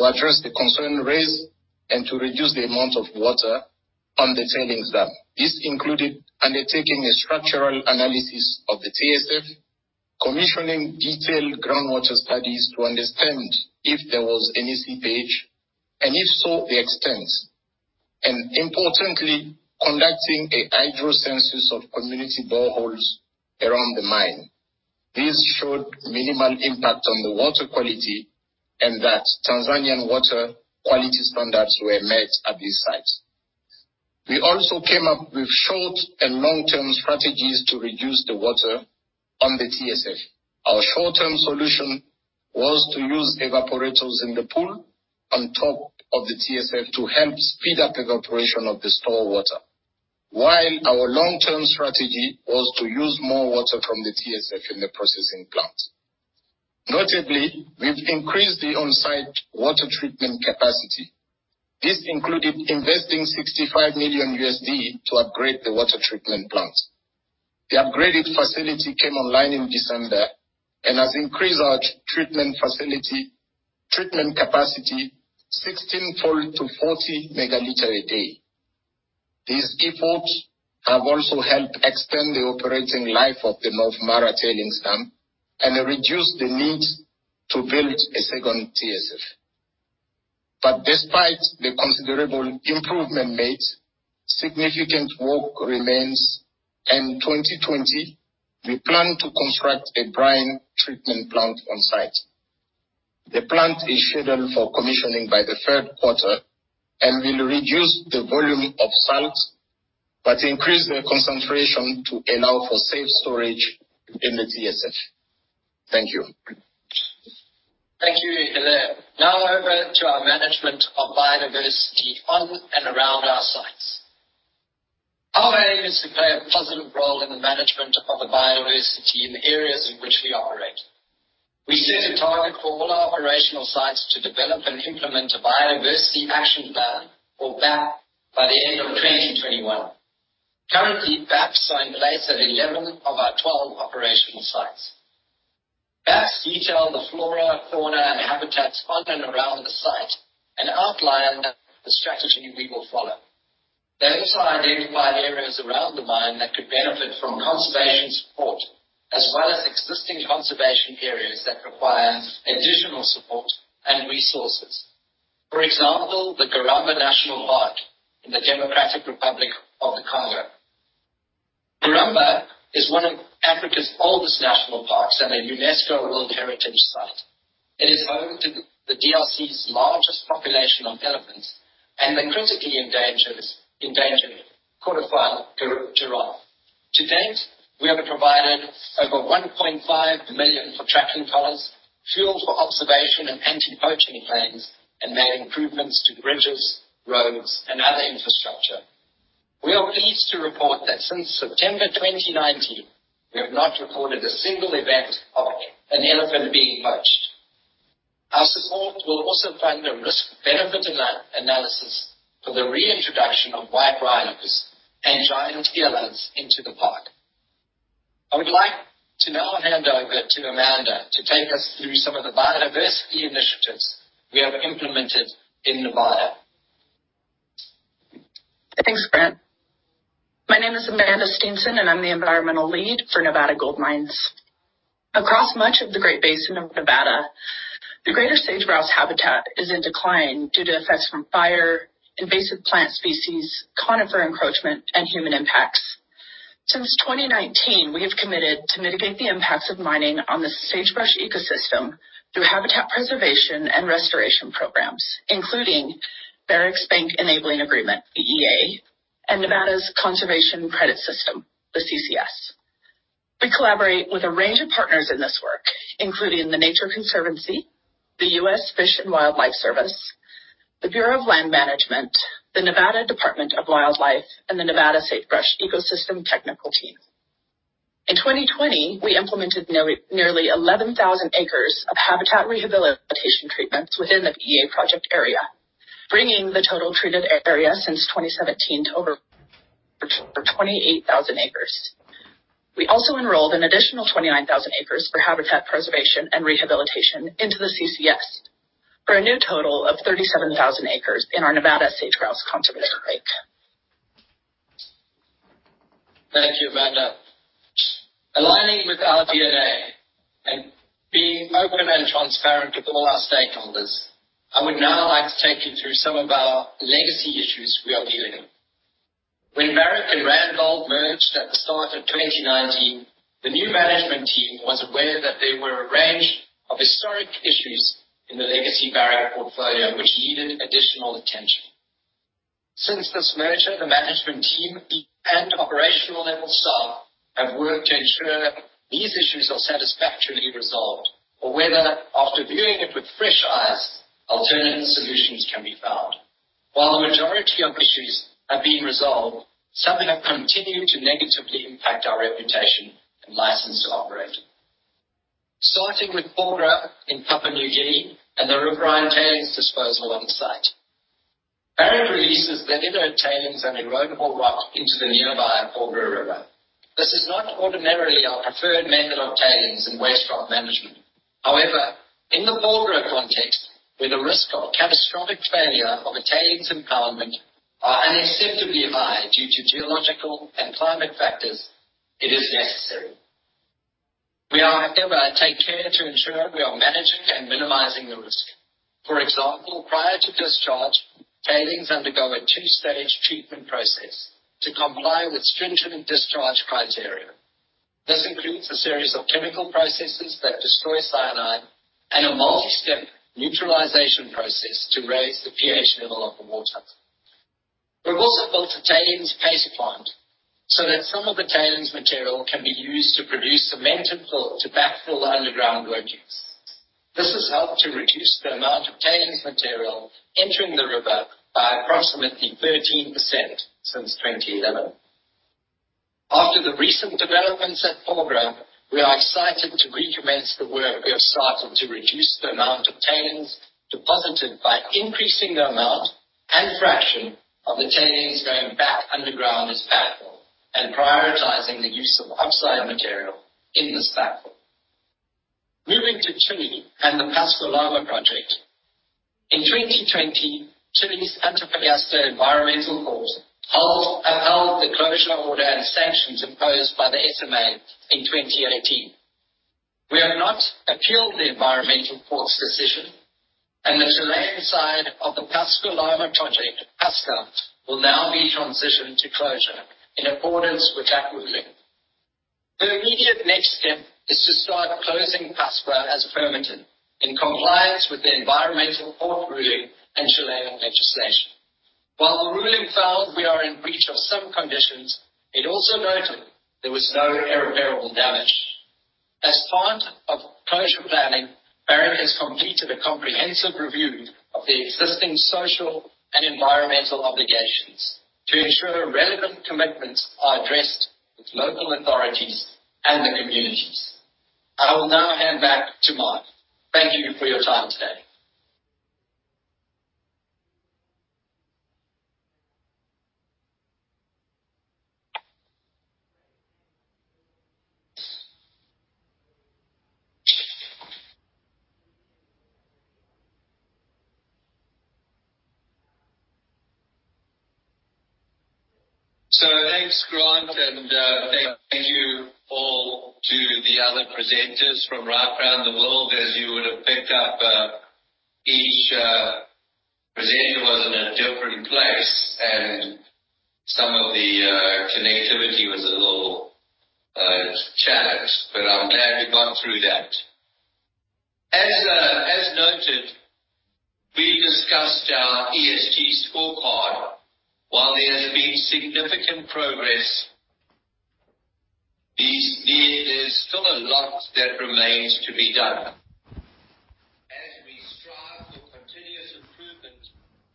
to address the concern raised and to reduce the amount of water on the tailings dam. This included undertaking a structural analysis of the TSF, commissioning detailed groundwater studies to understand if there was any seepage, and if so, the extent. Importantly, conducting a hydro census of community boreholes around the mine. This showed minimal impact on the water quality and that Tanzanian water quality standards were met at these sites. We also came up with short- and long-term strategies to reduce the water on the TSF. Our short-term solution was to use evaporators in the pool on top of the TSF to help speed up evaporation of the stored water. Our long-term strategy was to use more water from the TSF in the processing plant. Notably, we've increased the on-site water treatment capacity. This included investing $65 million to upgrade the water treatment plant. The upgraded facility came online in December and has increased our treatment capacity 16-fold to 40 megaliters a day. These efforts have also helped extend the operating life of the North Mara tailings dam and reduced the need to build a second TSF. Despite the considerable improvement made, significant work remains. In 2020, we plan to construct a brine treatment plant on-site. The plant is scheduled for commissioning by the third quarter and will reduce the volume of salt but increase the concentration to allow for safe storage in the TSF. Thank you. Thank you, Hilaire. Over to our management of biodiversity on and around our sites. Our aim is to play a positive role in the management of other biodiversity in the areas in which we operate. We set a target for all our operational sites to develop and implement a Biodiversity Action Plan or BAP by the end of 2021. Currently, BAPs are in place at 11 of our 12 operational sites. BAPs detail the flora, fauna, and habitats on and around the site and outline the strategy we will follow. They also identify areas around the mine that could benefit from conservation support, as well as existing conservation areas that require additional support and resources. For example, the Garamba National Park in the Democratic Republic of the Congo. Garamba is one of Africa's oldest national parks and a UNESCO World Heritage site. It is home to the DRC's largest population of elephants and the critically endangered Kordofan giraffe. To date, we have provided over $1.5 million for tracking collars, fuel for observation and anti-poaching planes, and made improvements to bridges, roads, and other infrastructure. We are pleased to report that since September 2019, we have not recorded a single event of an elephant being poached. Our support will also fund a risk-benefit analysis for the reintroduction of white rhinos and giant elands into the park. I would like to now hand over to Amanda to take us through some of the biodiversity initiatives we have implemented in Nevada. Thanks, Grant. My name is Amanda Steensen, I'm the environmental lead for Nevada Gold Mines. Across much of the Great Basin of Nevada, the greater sage-grouse habitat is in decline due to effects from fire, invasive plant species, conifer encroachment, and human impacts. Since 2019, we have committed to mitigate the impacts of mining on the sagebrush ecosystem through habitat preservation and restoration programs, including Barrick's Bank Enabling Agreement, BEA, and Nevada's Conservation Credit System, the CCS. We collaborate with a range of partners in this work, including The Nature Conservancy, the U.S. Fish and Wildlife Service, the Bureau of Land Management, the Nevada Department of Wildlife, and the Nevada Sagebrush Ecosystem Technical Team. In 2020, we implemented nearly 11,000 acres of habitat rehabilitation treatments within the BEA project area, bringing the total treated area since 2017 to over 28,000 acres. We also enrolled an additional 29,000 acres for habitat preservation and rehabilitation into the CCS for a new total of 37,000 acres in our Nevada Sage-Grouse Conservation Area. Thank you, Amanda. Aligning with our DNA and being open and transparent with all our stakeholders, I would now like to take you through some of our legacy issues we are dealing with. When Barrick and Randgold merged at the start of 2019, the new management team was aware that there were a range of historic issues in the legacy Barrick portfolio which needed additional attention. Since this merger, the management team and operational-level staff have worked to ensure these issues are satisfactorily resolved, or whether, after viewing it with fresh eyes, alternative solutions can be found. While the majority of issues have been resolved, some have continued to negatively impact our reputation and license to operate. Starting with Porgera in Papua New Guinea and the riverine tailings disposal on site. Barrick releases diluted tailings and erodible rock into the nearby Porgera River. This is not ordinarily our preferred method of tailings and waste rock management. However, in the Porgera context, where the risk of catastrophic failure of a tailings impoundment are unacceptably high due to geological and climate factors, it is necessary. We are, however, taking care to ensure we are managing and minimizing the risk. For example, prior to discharge, tailings undergo a 2-stage treatment process to comply with stringent discharge criteria. This includes a series of chemical processes that destroy cyanide and a multi-step neutralization process to raise the pH level of the water. We've also built a tailings paste plant, so that some of the tailings material can be used to produce cemented fill to backfill underground workings. This has helped to reduce the amount of tailings material entering the river by approximately 13% since 2011. After the recent developments at Porgera, we are excited to recommence the work we have started to reduce the amount of tailings deposited by increasing the amount and fraction of the tailings going back underground as backfill and prioritizing the use of upside material in this backfill. Moving to Chile and the Pascua Lama project. In 2020, Chile's Antofagasta Environmental Court upheld the closure order and sanctions imposed by the SMA in 2018. We have not appealed the Environmental Court's decision, and the Chilean side of the Pascua Lama project, Pascua, will now be transitioned to closure in accordance with that ruling. The immediate next step is to start closing Pascua as permitted in compliance with the Environmental Court ruling and Chilean legislation. While the ruling found we are in breach of some conditions, it also noted there was no irreparable damage. As part of closure planning, Barrick has completed a comprehensive review of the existing social and environmental obligations to ensure relevant commitments are addressed with local authorities and the communities. I will now hand back to Mark. Thank you for your time today. Thanks, Grant, and thank you all to the other presenters from right around the world. As you would have picked up, each presenter was in a different place and some of the connectivity was a little challenged, but I'm glad we got through that. As noted, we discussed our ESG scorecard. While there's been significant progress, there's still a lot that remains to be done. As we strive for continuous improvement,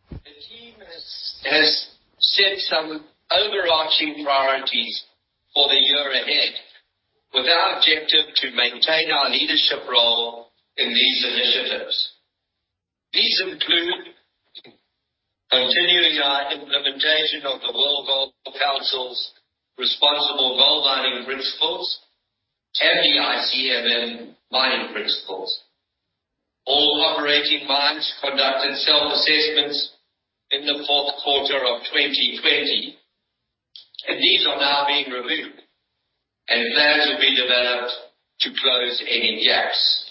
the team has set some overarching priorities for the year ahead with our objective to maintain our leadership role in these initiatives. These include continuing our implementation of the World Gold Council's Responsible Gold Mining Principles and the ICMM mining principles. All operating mines conducted self-assessments in the fourth quarter of 2020, these are now being reviewed, and plans will be developed to close any gaps.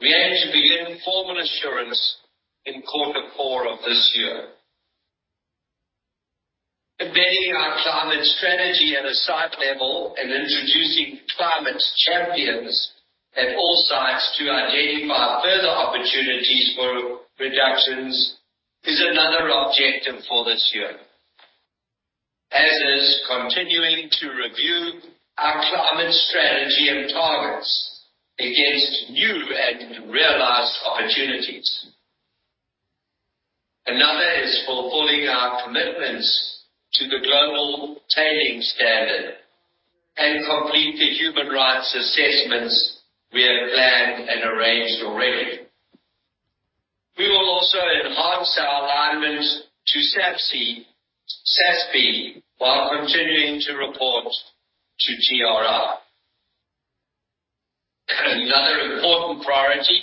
We aim to begin formal assurance in quarter four of this year. Embedding our climate strategy at a site level and introducing climate champions at all sites to identify further opportunities for reductions is another objective for this year, as is continuing to review our climate strategy and targets against new and realized opportunities. Another is fulfilling our commitments to the Global Tailings Standard and complete the human rights assessments we have planned and arranged already. We will also enhance our alignment to SASB while continuing to report to GRI. Another important priority,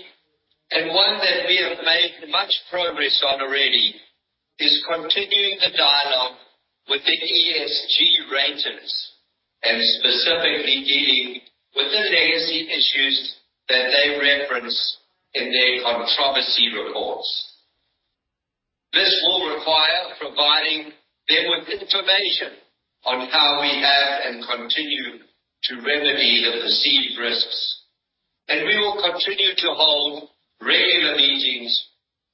and one that we have made much progress on already, is continuing the dialogue with the ESG raters and specifically dealing with the legacy issues that they reference in their controversy reports. This will require providing them with information on how we have and continue to remedy the perceived risks. We will continue to hold regular meetings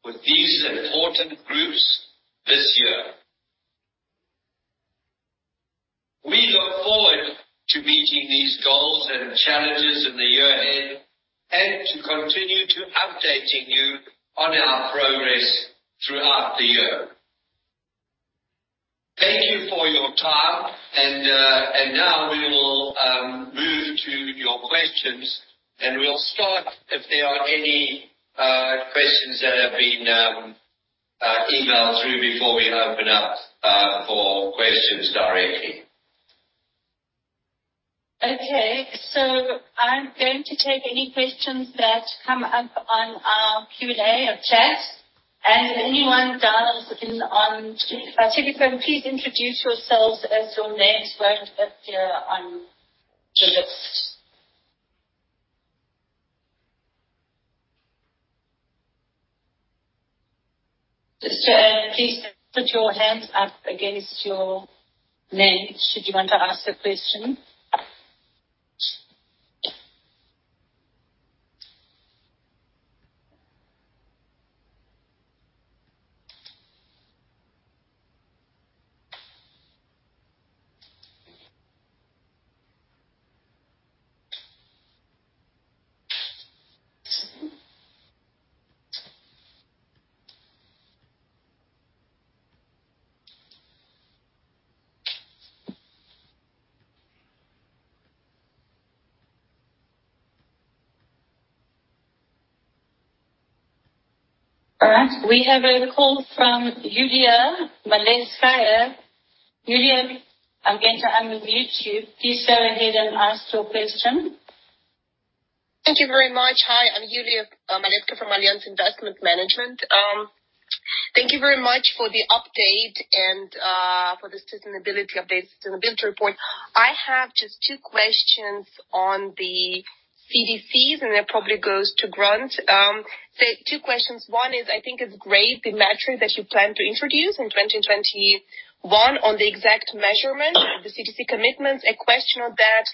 with these important groups this year. We look forward to meeting these goals and challenges in the year ahead, and to continue to updating you on our progress throughout the year. Thank you for your time. Now we will move to your questions, and we'll start if there are any questions that have been emailed through before we open up for questions directly. Okay. I'm going to take any questions that come up on our Q&A or chat, and anyone dialing in on telephone, please introduce yourselves as your names won't appear on the list. Please put your hand up against your name should you want to ask a question. All right. We have a call from Yulia Maletskaya. Yulia, I'm going to unmute you. Please go ahead and ask your question. Thank you very much. Hi, I'm Yulia Maletskaya from Allianz Investment Management. Thank you very much for the update and for the sustainability report. I have just two questions on the CDCs, and that probably goes to Grant. Two questions. One is, I think it's great the metric that you plan to introduce in 2021 on the exact measurement of the CDC commitments. A question on that,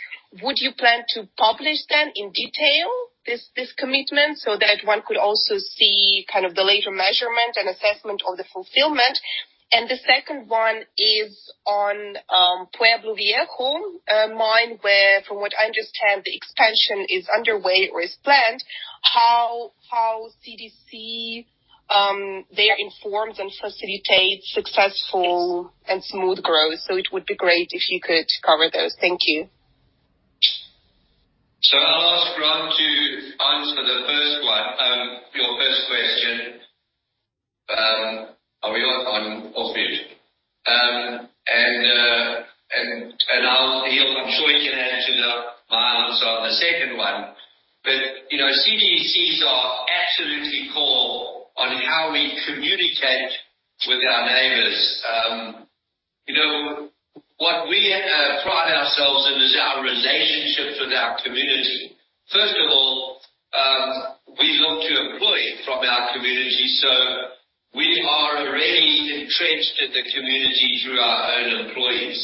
would you plan to publish them in detail, this commitment, so that one could also see kind of the later measurement and assessment of the fulfillment? The second one is on Pueblo Viejo mine, where from what I understand, the expansion is underway or is planned. How CDC, they are informed and facilitate successful and smooth growth. It would be great if you could cover those. Thank you. I'll ask Grant to answer your first question. Are we on? On, off mute. I'm sure he can add to my answer on the second one. CDCs are absolutely core on how we communicate with our neighbors. What we pride ourselves in is our relationships with our community. First of all, we look to employ from our community, so we are already entrenched in the community through our own employees.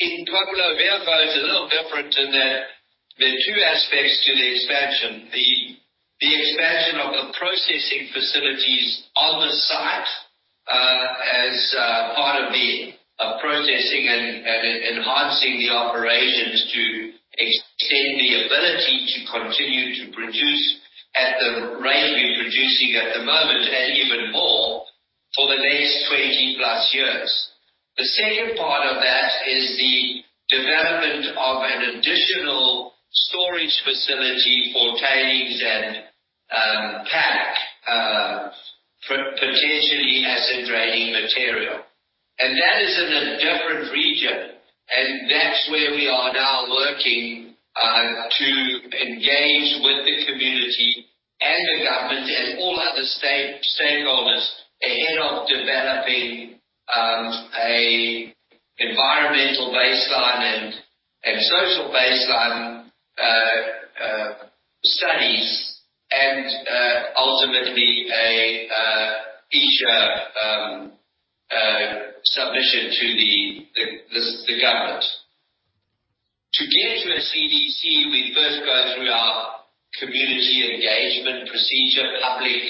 In Pueblo Viejo, it's a little different in that there are two aspects to the expansion. The expansion of the processing facilities on the site, as part of the processing and enhancing the operations to extend the ability to continue to produce at the rate we're producing at the moment and even more for the next 20-plus years. The second part of that is the development of an additional storage facility for tailings and PAG, potentially acid draining material. That is in a different region, and that's where we are now working to engage with the community and the government and all other stakeholders ahead of developing environmental baseline and social baseline studies and ultimately an EIA submission to the government. To get to a CDC, we first go through our community engagement procedure, public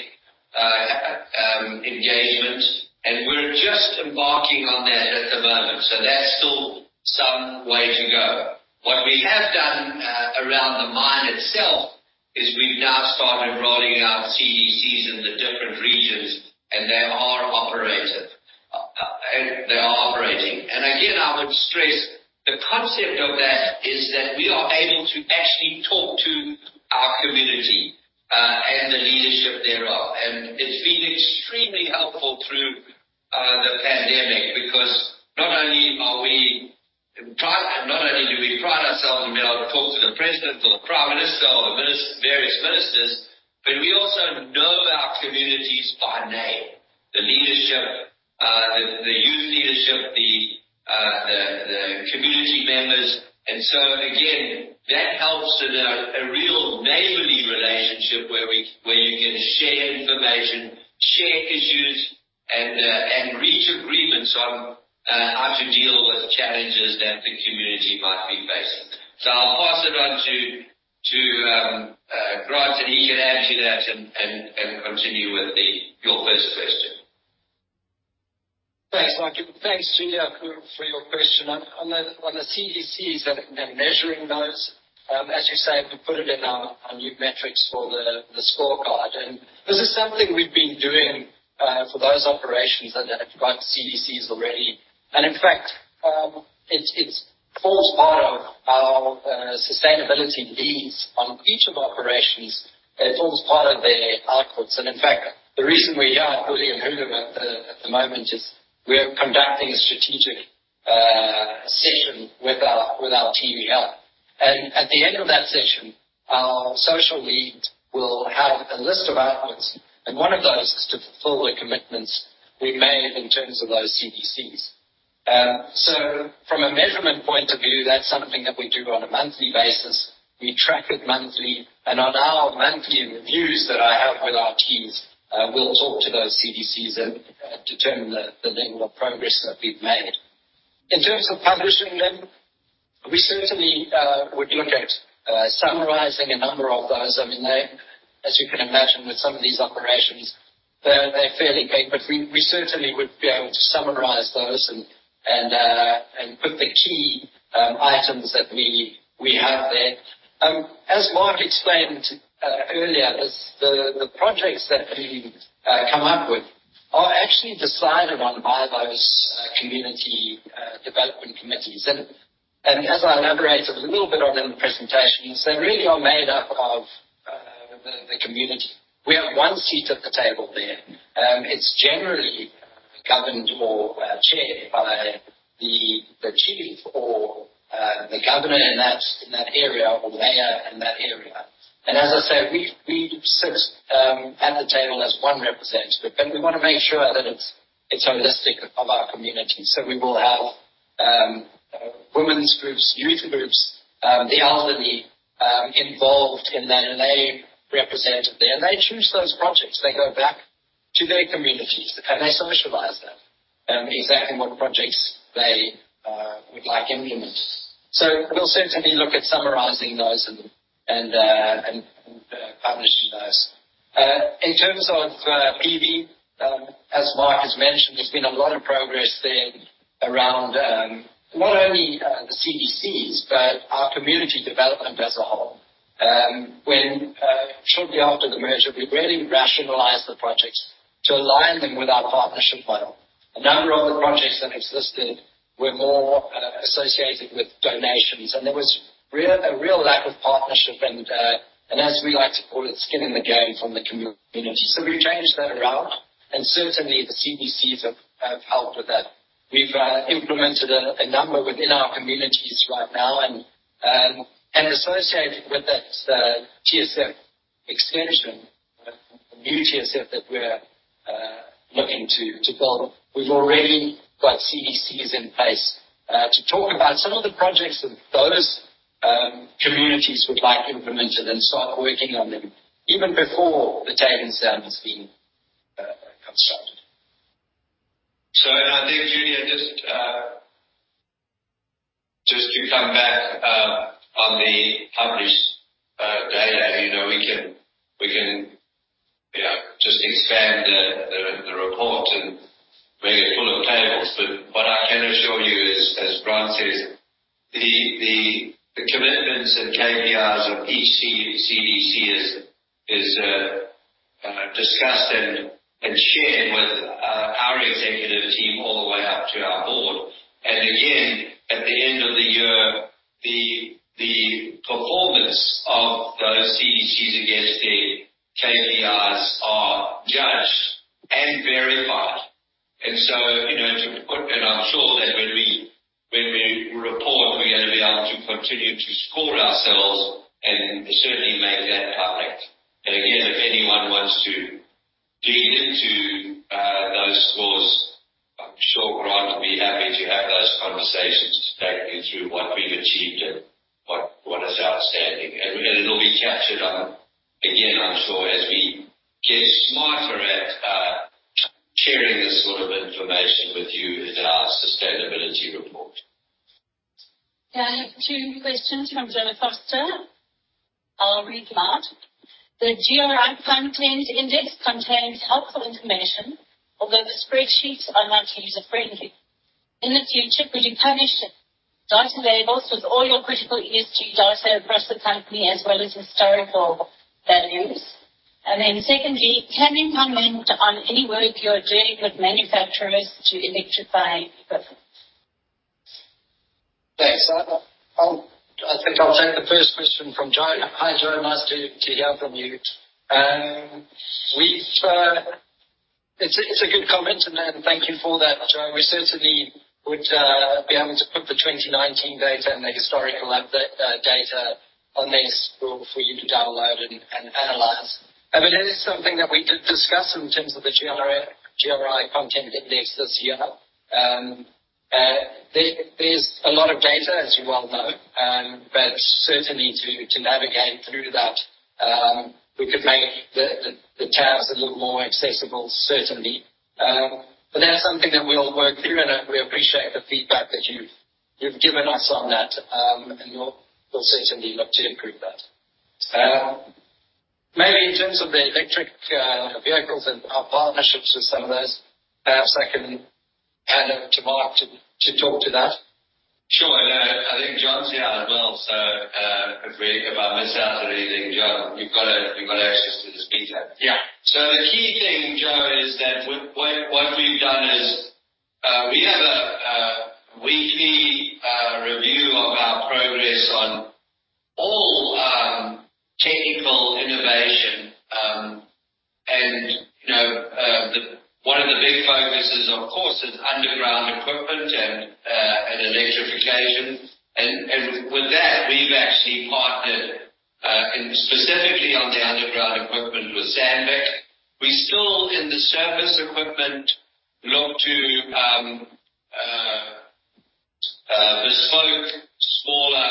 engagement, and we're just embarking on that at the moment. That's still some way to go. What we have done around the mine itself is we've now started rolling out CDCs in the different regions, and they are operating. Again, I would stress the concept of that is that we are able to actually talk to our community, and the leadership thereof. It's been extremely helpful through the pandemic because not only do we pride ourselves on being able to talk to the president or the prime minister or the various ministers, but we also know our communities by name, the leadership, the youth leadership, the community members. Again, that helps in a real neighborly relationship where you can share information, share issues, and reach agreements on how to deal with challenges that the community might be facing. I'll pass it on to Grant, and he can answer that and continue with your first question. Thanks, Mark. Thanks, Yulia, for your question. On the CDCs and measuring those, as you say, we put it in our new metrics for the scorecard. This is something we've been doing for those operations that have got CDCs already. In fact, it forms part of our sustainability leads on each of our operations. It forms part of their outputs. In fact, the reason we're here in Huli Hulu at the moment is we are conducting a strategic session with our team here. At the end of that session, our social leads will have a list of outputs, and one of those is to fulfill the commitments we made in terms of those CDCs. From a measurement point of view, that's something that we do on a monthly basis. We track it monthly, and on our monthly reviews that I have with our teams, we'll talk to those CDCs and determine the level of progress that we've made. In terms of publishing them, we certainly would look at summarizing a number of those. As you can imagine, with some of these operations, they're fairly big, but we certainly would be able to summarize those and put the key items that we have there. As Mark explained earlier, the projects that we come up with are actually decided on by those community development committees. As I elaborated a little bit on in the presentation, they really are made up of the community. We have one seat at the table there. It's generally governed or chaired by the chief or the governor in that area or mayor in that area. As I said, we sit at the table as one representative, but we want to make sure that it's holistic of our community. We will have women's groups, youth groups, the elderly involved in that, and they represent there, and they choose those projects. They go back to their communities, and they socialize that, exactly what projects they would like implemented. We'll certainly look at summarizing those and publishing those. In terms of PV, as Mark has mentioned, there's been a lot of progress there around not only the CDCs, but our community development as a whole. When shortly after the merger, we really rationalized the projects to align them with our partnership model. A number of the projects that existed were more associated with donations, and there was a real lack of partnership and, as we like to call it, skin in the game from the community. We changed that around, and certainly the CDCs have helped with that. We've implemented a number within our communities right now, and associated with that TSF extension, the new TSF that we're looking to build, we've already got CDCs in place to talk about some of the projects that those communities would like implemented and start working on them even before the taken sand has been constructed. I think, Julia, just to come back on the published data, we can just expand the report and make it full of tables. What I can assure you is, as Grant says, the commitments and KPIs of each CDC is discussed and shared with our executive team all the way up to our board. Again, at the end of the year, the performance of those CDCs against their KPIs are judged and verified. I'm sure that when we report, we're going to be able to continue to score ourselves and certainly make that public. Again, if anyone wants to dig into those scores, I'm sure Grant will be happy to have those conversations to take you through what we've achieved and what is outstanding. It'll be captured on, again, I'm sure as we get smarter at sharing this sort of information with you in our sustainability report. I have two questions from Joanna Foster. I'll read them out. The GRI content index contains helpful information, although the spreadsheets are not user-friendly. In the future, will you publish data labels with all your critical ESG data across the company as well as historical values? Secondly, can you comment on any work you're doing with manufacturers to electrify equipment? Thanks. I think I'll take the first question from Jo. Hi, Jo. Nice to hear from you. It's a good comment, and thank you for that, Jo. We certainly would be able to put the 2019 data and the historical data on this for you to download and analyze. That is something that we did discuss in terms of the GRI content index this year. There's a lot of data, as you well know, but certainly to navigate through that, we could make the charts a little more accessible, certainly. That's something that we'll work through, and we appreciate the feedback that you've given us on that. We'll certainly look to improve that. Maybe in terms of the Electric Vehicles and our partnerships with some of those, perhaps I can hand over to Mark to talk to that. Sure. I think John's here as well, so if I miss out on anything, John, you've got access to the speaker. Yeah. The key thing, Joe, is that what we've done is we have a weekly review of our progress on all technical innovation. One of the big focuses, of course, is underground equipment and electrification. With that, we've actually partnered specifically on the underground equipment with Sandvik. We still, in the service equipment, look to bespoke smaller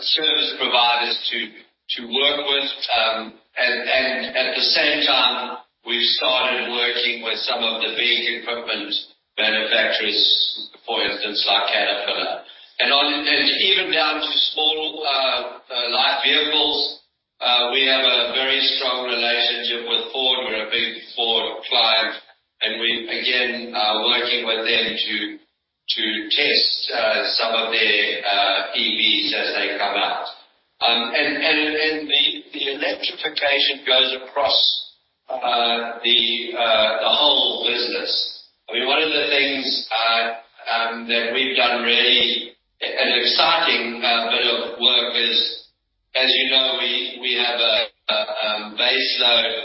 service providers to work with. At the same time, we've started working with some of the big equipment manufacturers, for instance, like Caterpillar. Even down to small light vehicles, we have a very strong relationship with Ford. We're a big Ford client, and we again are working with them to test some of their EVs as they come out. The electrification goes across the whole business. One of the things that we've done, really an exciting bit of work is, as you know, we have a baseload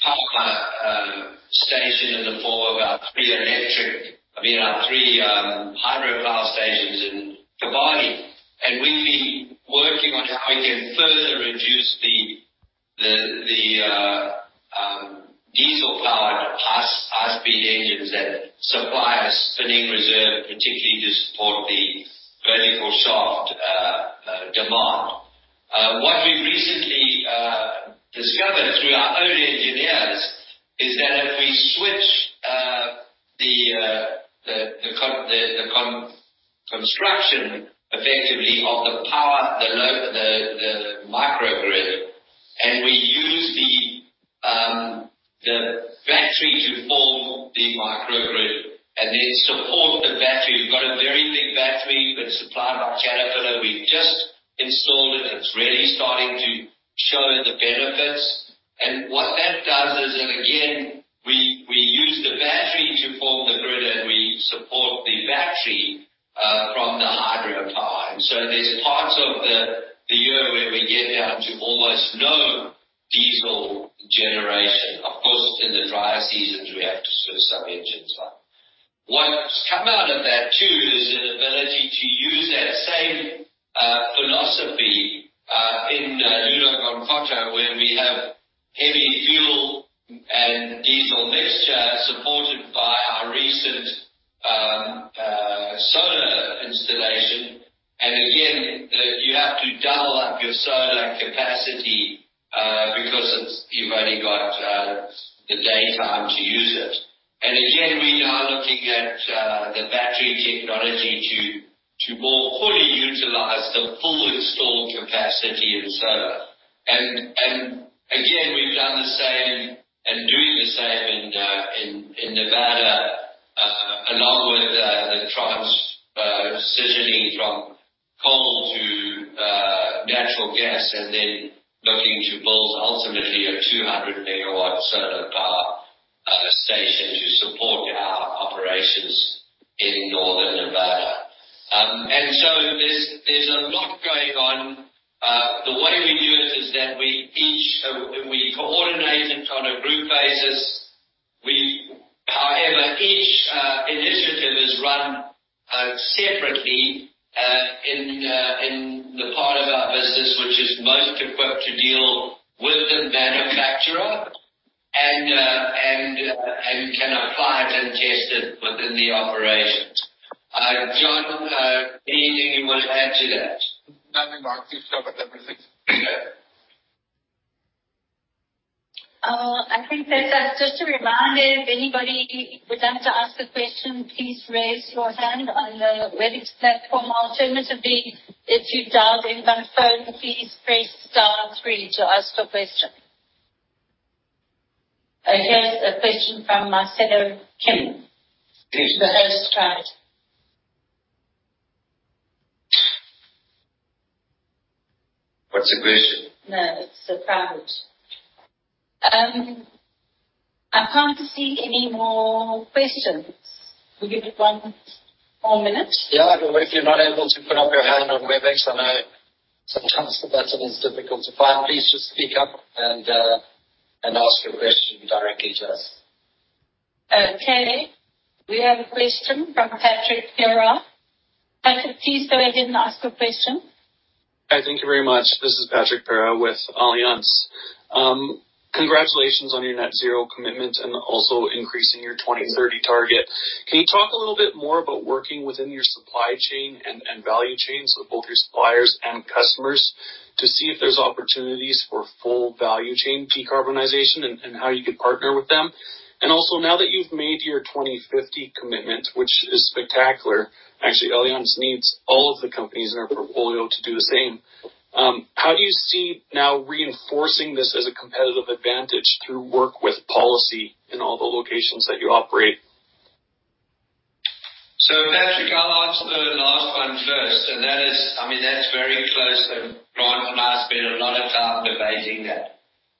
power station in the form of our three hydropower stations in Kibali. We've been working on how we can further reduce the diesel-powered high-speed engines that supply spinning reserve, particularly to support the vertical shaft demand. What we've recently discovered through our own engineers is that if we switch the construction effectively of the power, the microgrid, and we use the battery to form the microgrid and then support the battery. We've got a very big battery that's supplied by Caterpillar. We've just installed it, and it's really starting to show the benefits. What that does is that, again, we use the battery to form the grid, and we support the battery from the hydropower. There's parts of the year where we get down to almost no diesel generation. Of course, in the drier seasons, we have to switch some engines on. What's come out of that, too, is an ability to use that same philosophy in Loulo-Gounkoto, where we have heavy fuel and diesel mixture supported by our recent solar installation. Again, you If anybody would like to ask a question, please raise your hand on the Webex platform. Alternatively, if you dialed in by phone, please press star three to ask a question. Here's a question from Marcelo Kim. Please. The host private. What's the question? No, it's a private. I'm not seeing any more questions. We'll give it one more minute. Yeah. If you're not able to put up your hand on Webex, I know sometimes the button is difficult to find. Please just speak up and ask your question directly to us. Okay. We have a question from Patrick Perra. Patrick, please go ahead and ask your question. Hi. Thank you very much. This is Patrick Perra with Allianz. Congratulations on your net zero commitment and also increasing your 2030 target. Can you talk a little bit more about working within your supply chain and value chain, so both your suppliers and customers, to see if there's opportunities for full value chain decarbonization and how you can partner with them? Also, now that you've made your 2050 commitment, which is spectacular, actually, Allianz needs all of the companies in our portfolio to do the same. How do you see now reinforcing this as a competitive advantage through work with policy in all the locations that you operate? Patrick, I'll answer the last one first. That's very close, Brian and I spent a lot of time debating that.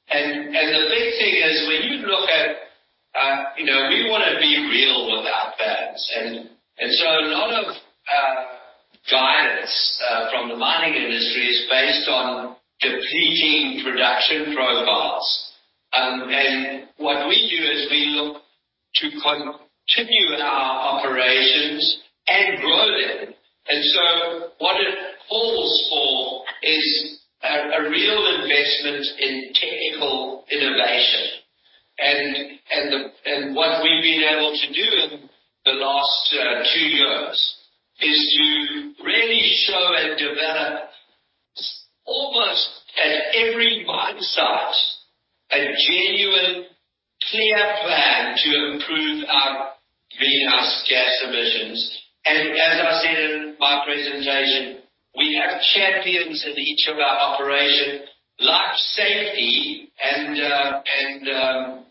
The big thing is, we want to be real with our plans. A lot of guidance from the mining industry is based on depleting production profiles. What we do is we look to continue our operations and grow them. What it calls for is a real investment in technical innovation. What we've been able to do in the last two years is to really show and develop, almost at every mine site, a genuine, clear plan to improve our greenhouse gas emissions. As I said in my presentation, we have champions in each of our operation, like safety and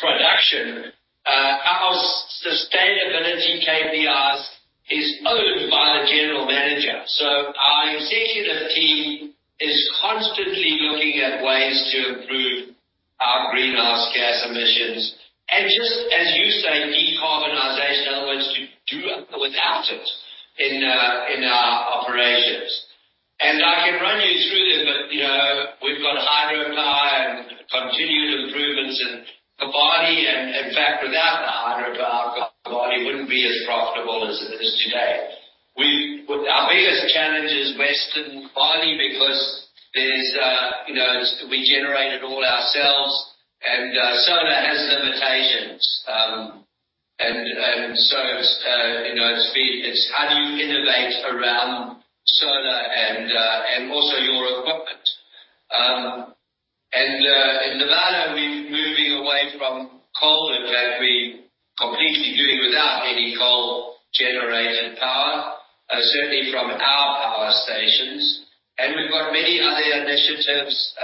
production. Our sustainability KPI is owned by the general manager. Our executive team is constantly looking at ways to improve our greenhouse gas emissions and just, as you say, decarbonization. In other words, to do without it in our operations. I can run you through them, but we've got hydropower and continued improvements in Kibali. In fact, without the hydropower, Kibali wouldn't be as profitable as it is today. Our biggest challenge is Western Kibali because we generate it all ourselves, and solar has limitations. It's how do you innovate around solar and also your equipment. In Nevada, we're moving away from coal. In fact, we completely do it without any coal-generated power, certainly from our power stations. We've got many other initiatives.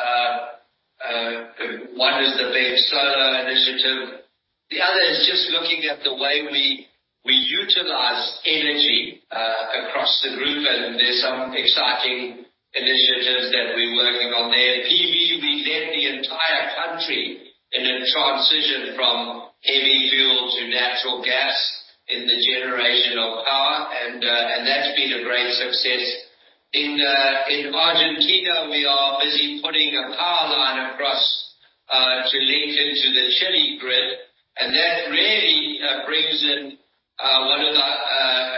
One is the big solar initiative. The other is just looking at the way we utilize energy across the group, and there's some exciting initiatives that we're working on there. Pueblo Viejo, we led the entire country in a transition from heavy fuel to natural gas in the generation of power. That's been a great success. In Argentina, we are busy putting a power line across to link into the Chile grid. That really brings in a national power utility that, as you know, is one of the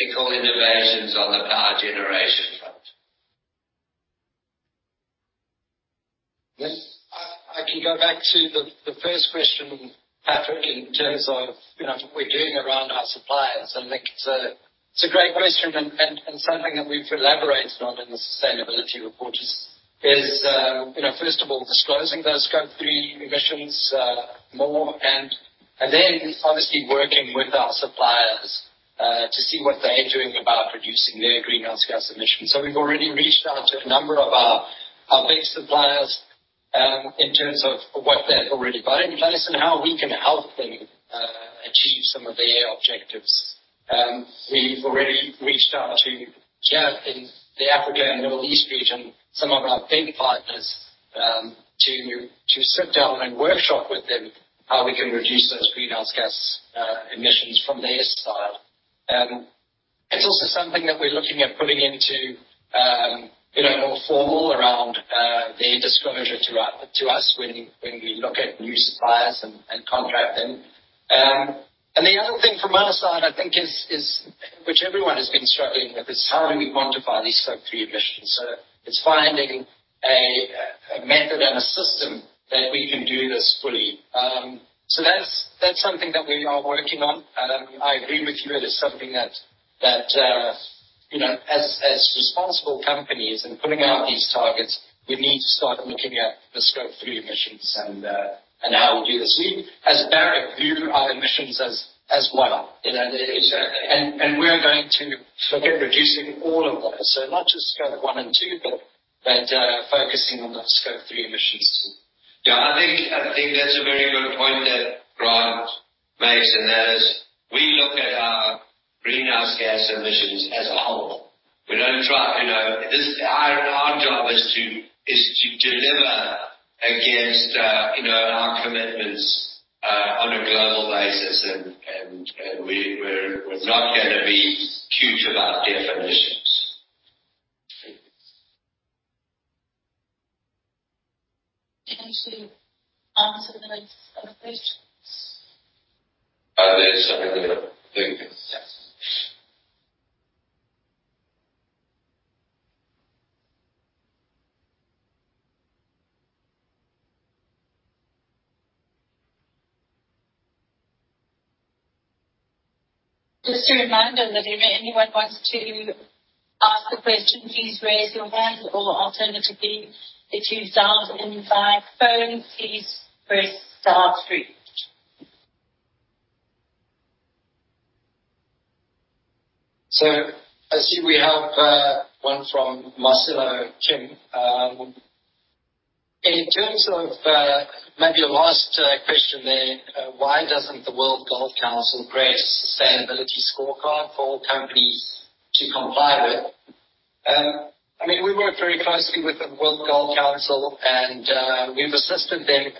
innovations on the power generation front. Yes. I can go back to the first question, Patrick, in terms of what we're doing around our suppliers. Look, it's a great question and something that we've elaborated on in the sustainability report is, first of all, disclosing those scope three emissions more, obviously working with our suppliers to see what they're doing about reducing their greenhouse gas emissions. We've already reached out to a number of our big suppliers in terms of what they've already got in place and how we can help them achieve some of their objectives. We've already reached out to Jeff in the Africa and Middle East region, some of our big partners, to sit down and workshop with them how we can reduce those greenhouse gas emissions from their side. It's also something that we're looking at putting into more formal around their disclosure to us when we look at new suppliers and contract them. The other thing from our side, I think, which everyone has been struggling with, is how do we quantify these Scope 3 emissions? It's finding a method and a system that we can do this fully. That's something that we are working on. I agree with you, it is something that as responsible companies and putting out these targets, we need to start looking at the Scope 3 emissions and how we do this. We as Barrick view our emissions as one. Exactly. We're going to look at reducing all of those. Not just scope one and two, but focusing on the scope 3 emissions, too. Yeah, I think that's a very good point that Grant makes, and that is we look at our greenhouse gas emissions as a whole. Our job is to deliver against our commitments on a global basis. We're not going to be cute about definitions. Can I see answers of the next set of questions? Are there some other things? Yes. Just a reminder that if anyone wants to ask a question, please raise your hand, or alternatively, if you dial in by phone, please press star three. I see we have one from Marcelo Kim. In terms of maybe a last question then, why doesn't the World Gold Council create a sustainability scorecard for all companies to comply with? We work very closely with the World Gold Council, and we've assisted them.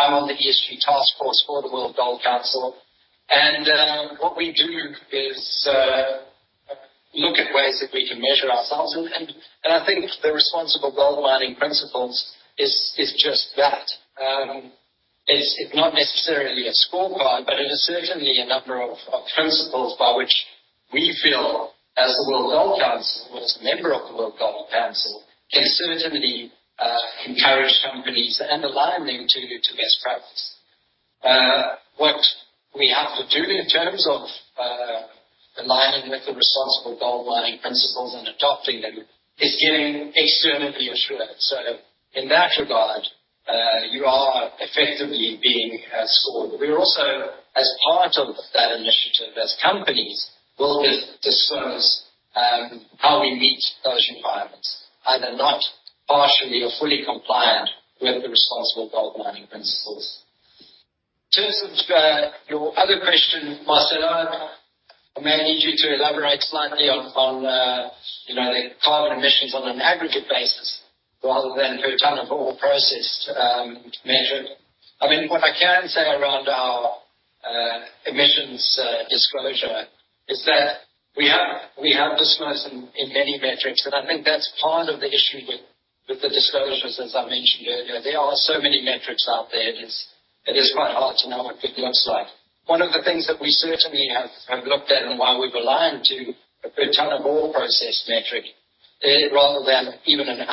I'm on the ESG task force for the World Gold Council. What we do is look at ways that we can measure ourselves. I think the Responsible Gold Mining Principles is just that. It's not necessarily a scorecard, but it is certainly a number of principles by which we feel as the World Gold Council, or as a member of the World Gold Council, can certainly encourage companies and align them to best practice. What we have to do in terms of aligning with the Responsible Gold Mining Principles and adopting them is getting externally assured. In that regard, you are effectively being scored. We also, as part of that initiative as companies, will disclose how we meet those requirements, either not, partially, or fully compliant with the Responsible Gold Mining Principles. In terms of your other question, Marcelo, I may need you to elaborate slightly on the carbon emissions on an aggregate basis rather than per ton of ore processed measured. What I can say around our emissions disclosure is that we have disclosed in many metrics, and I think that's part of the issue with the disclosures, as I mentioned earlier. There are so many metrics out there, it is quite hard to know what it looks like. One of the things that we certainly have looked at and why we've aligned to a per ton of ore processed metric rather than even per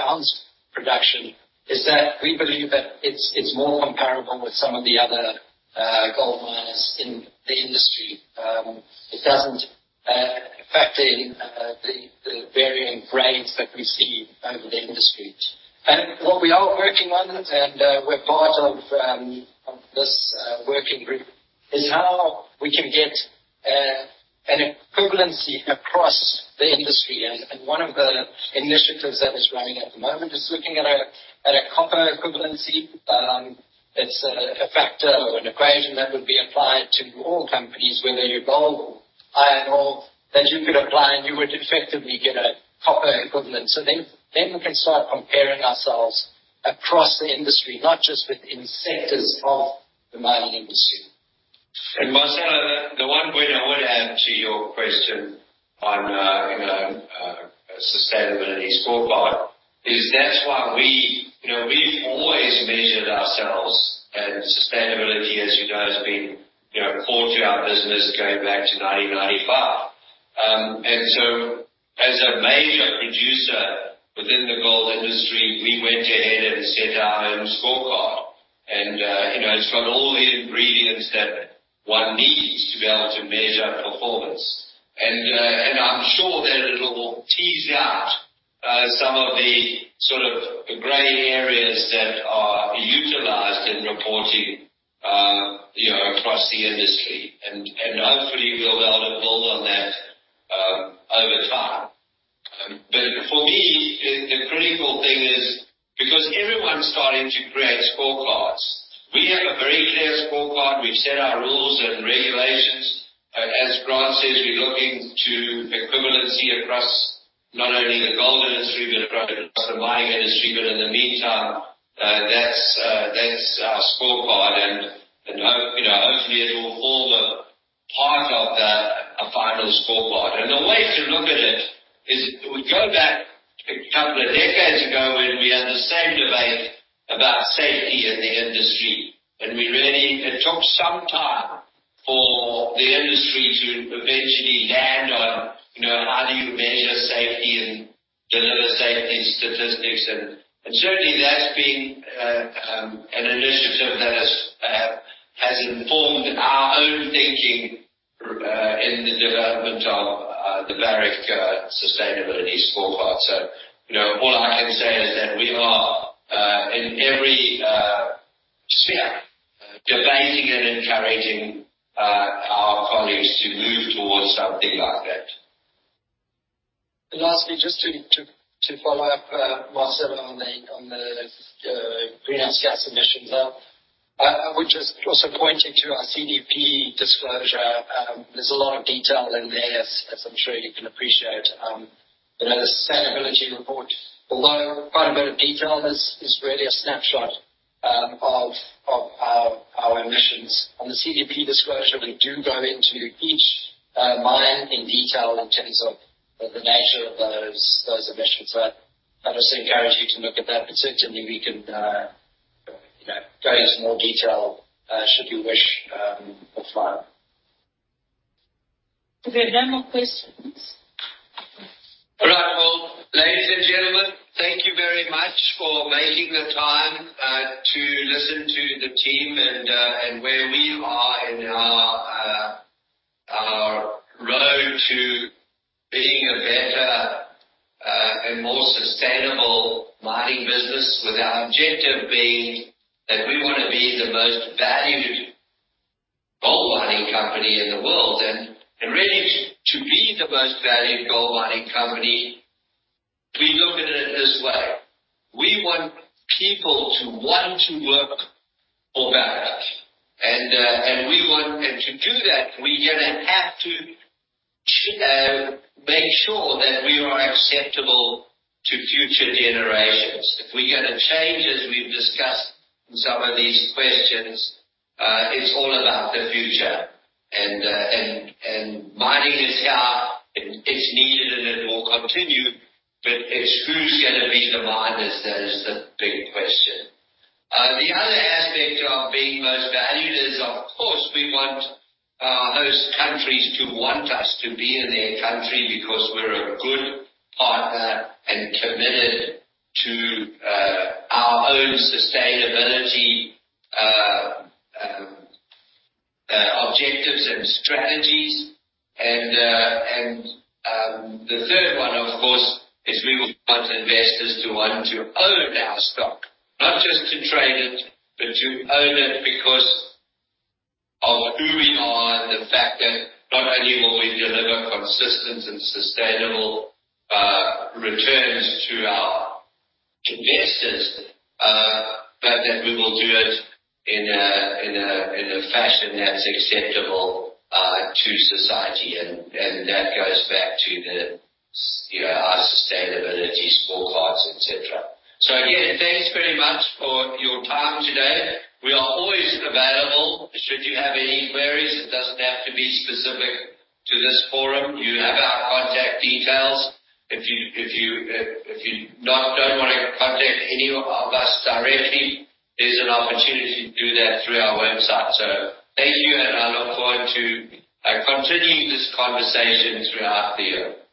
ounce production is that we believe that it's more comparable with some of the other gold miners in the industry. It doesn't factor in the varying grades that we see over the industry. What we are working on, and we're part of this working group, is how we can get an equivalency across the industry. One of the initiatives that is running at the moment is looking at a copper equivalency. It's a factor or an equation that would be applied to all companies, whether you're gold or iron ore, that you could apply and you would effectively get a copper equivalent. Then we can start comparing ourselves across the industry, not just within sectors of the mining industry. Marcelo, the one point I want to add to your question on sustainability scorecard is that's why we've always measured ourselves, and sustainability, as you know, has been core to our business going back to 1995. As a major producer within the gold industry, we went ahead and set our own scorecard. It's got all the ingredients that one needs to be able to measure performance. I'm sure that it'll tease out some of the gray areas that are utilized in reporting across the industry. Hopefully we'll be able to build on that over time. For me, the critical thing is because everyone's starting to create scorecards, we have a very clear scorecard. We've set our rules and regulations. As Grant says, we're looking to equivalency across not only the gold industry but across the mining industry. In the meantime, that's our scorecard, and hopefully it will form a part of a final scorecard. The way to look at it is if we go back a couple of decades ago when we had the same debate about safety in the industry, and it took some time for the industry to eventually land on how do you measure safety and deliver safety statistics. Certainly that's been an initiative that has informed our own thinking in the development of the Barrick Sustainability Scorecard. All I can say is that we are, in every sphere, debating and encouraging our colleagues to move towards something like that. Lastly, just to follow up, Marcelo, on the greenhouse gas emissions. I would just also point you to our CDP disclosure. There's a lot of detail in there, as I'm sure you can appreciate. The sustainability report, although quite a bit of detail, is really a snapshot of our emissions. On the CDP disclosure, we do go into each mine in detail in terms of the nature of those emissions. I'd also encourage you to look at that. Certainly we can go into more detail should you wish offline. We have no more questions. Right. Well, ladies and gentlemen, thank you very much for making the time to listen to the team and where we are in our road to being a better and more sustainable mining business with our objective being that we want to be the most valued gold mining company in the world. Really, to be the most valued gold mining company, we look at it this way. We want people to want to work for Barrick. To do that, we're going to have to make sure that we are acceptable to future generations. If we're going to change, as we've discussed in some of these questions, it's all about the future. Mining is here, it's needed, and it will continue. Who's going to be the miners? That is the big question. The other aspect of being most valued is, of course, we want host countries to want us to be in their country because we're a good partner and committed to our own sustainability objectives and strategies. The third one, of course, is we want investors to want to own our stock, not just to trade it, but to own it because of who we are and the fact that not only will we deliver consistent and sustainable returns to our investors, but that we will do it in a fashion that's acceptable to society. That goes back to our sustainability scorecards, et cetera. Again, thanks very much for your time today. We are always available should you have any queries. It doesn't have to be specific to this forum. You have our contact details. If you don't want to contact any of us directly, there's an opportunity to do that through our website. Thank you, and I look forward to continuing this conversation throughout the year.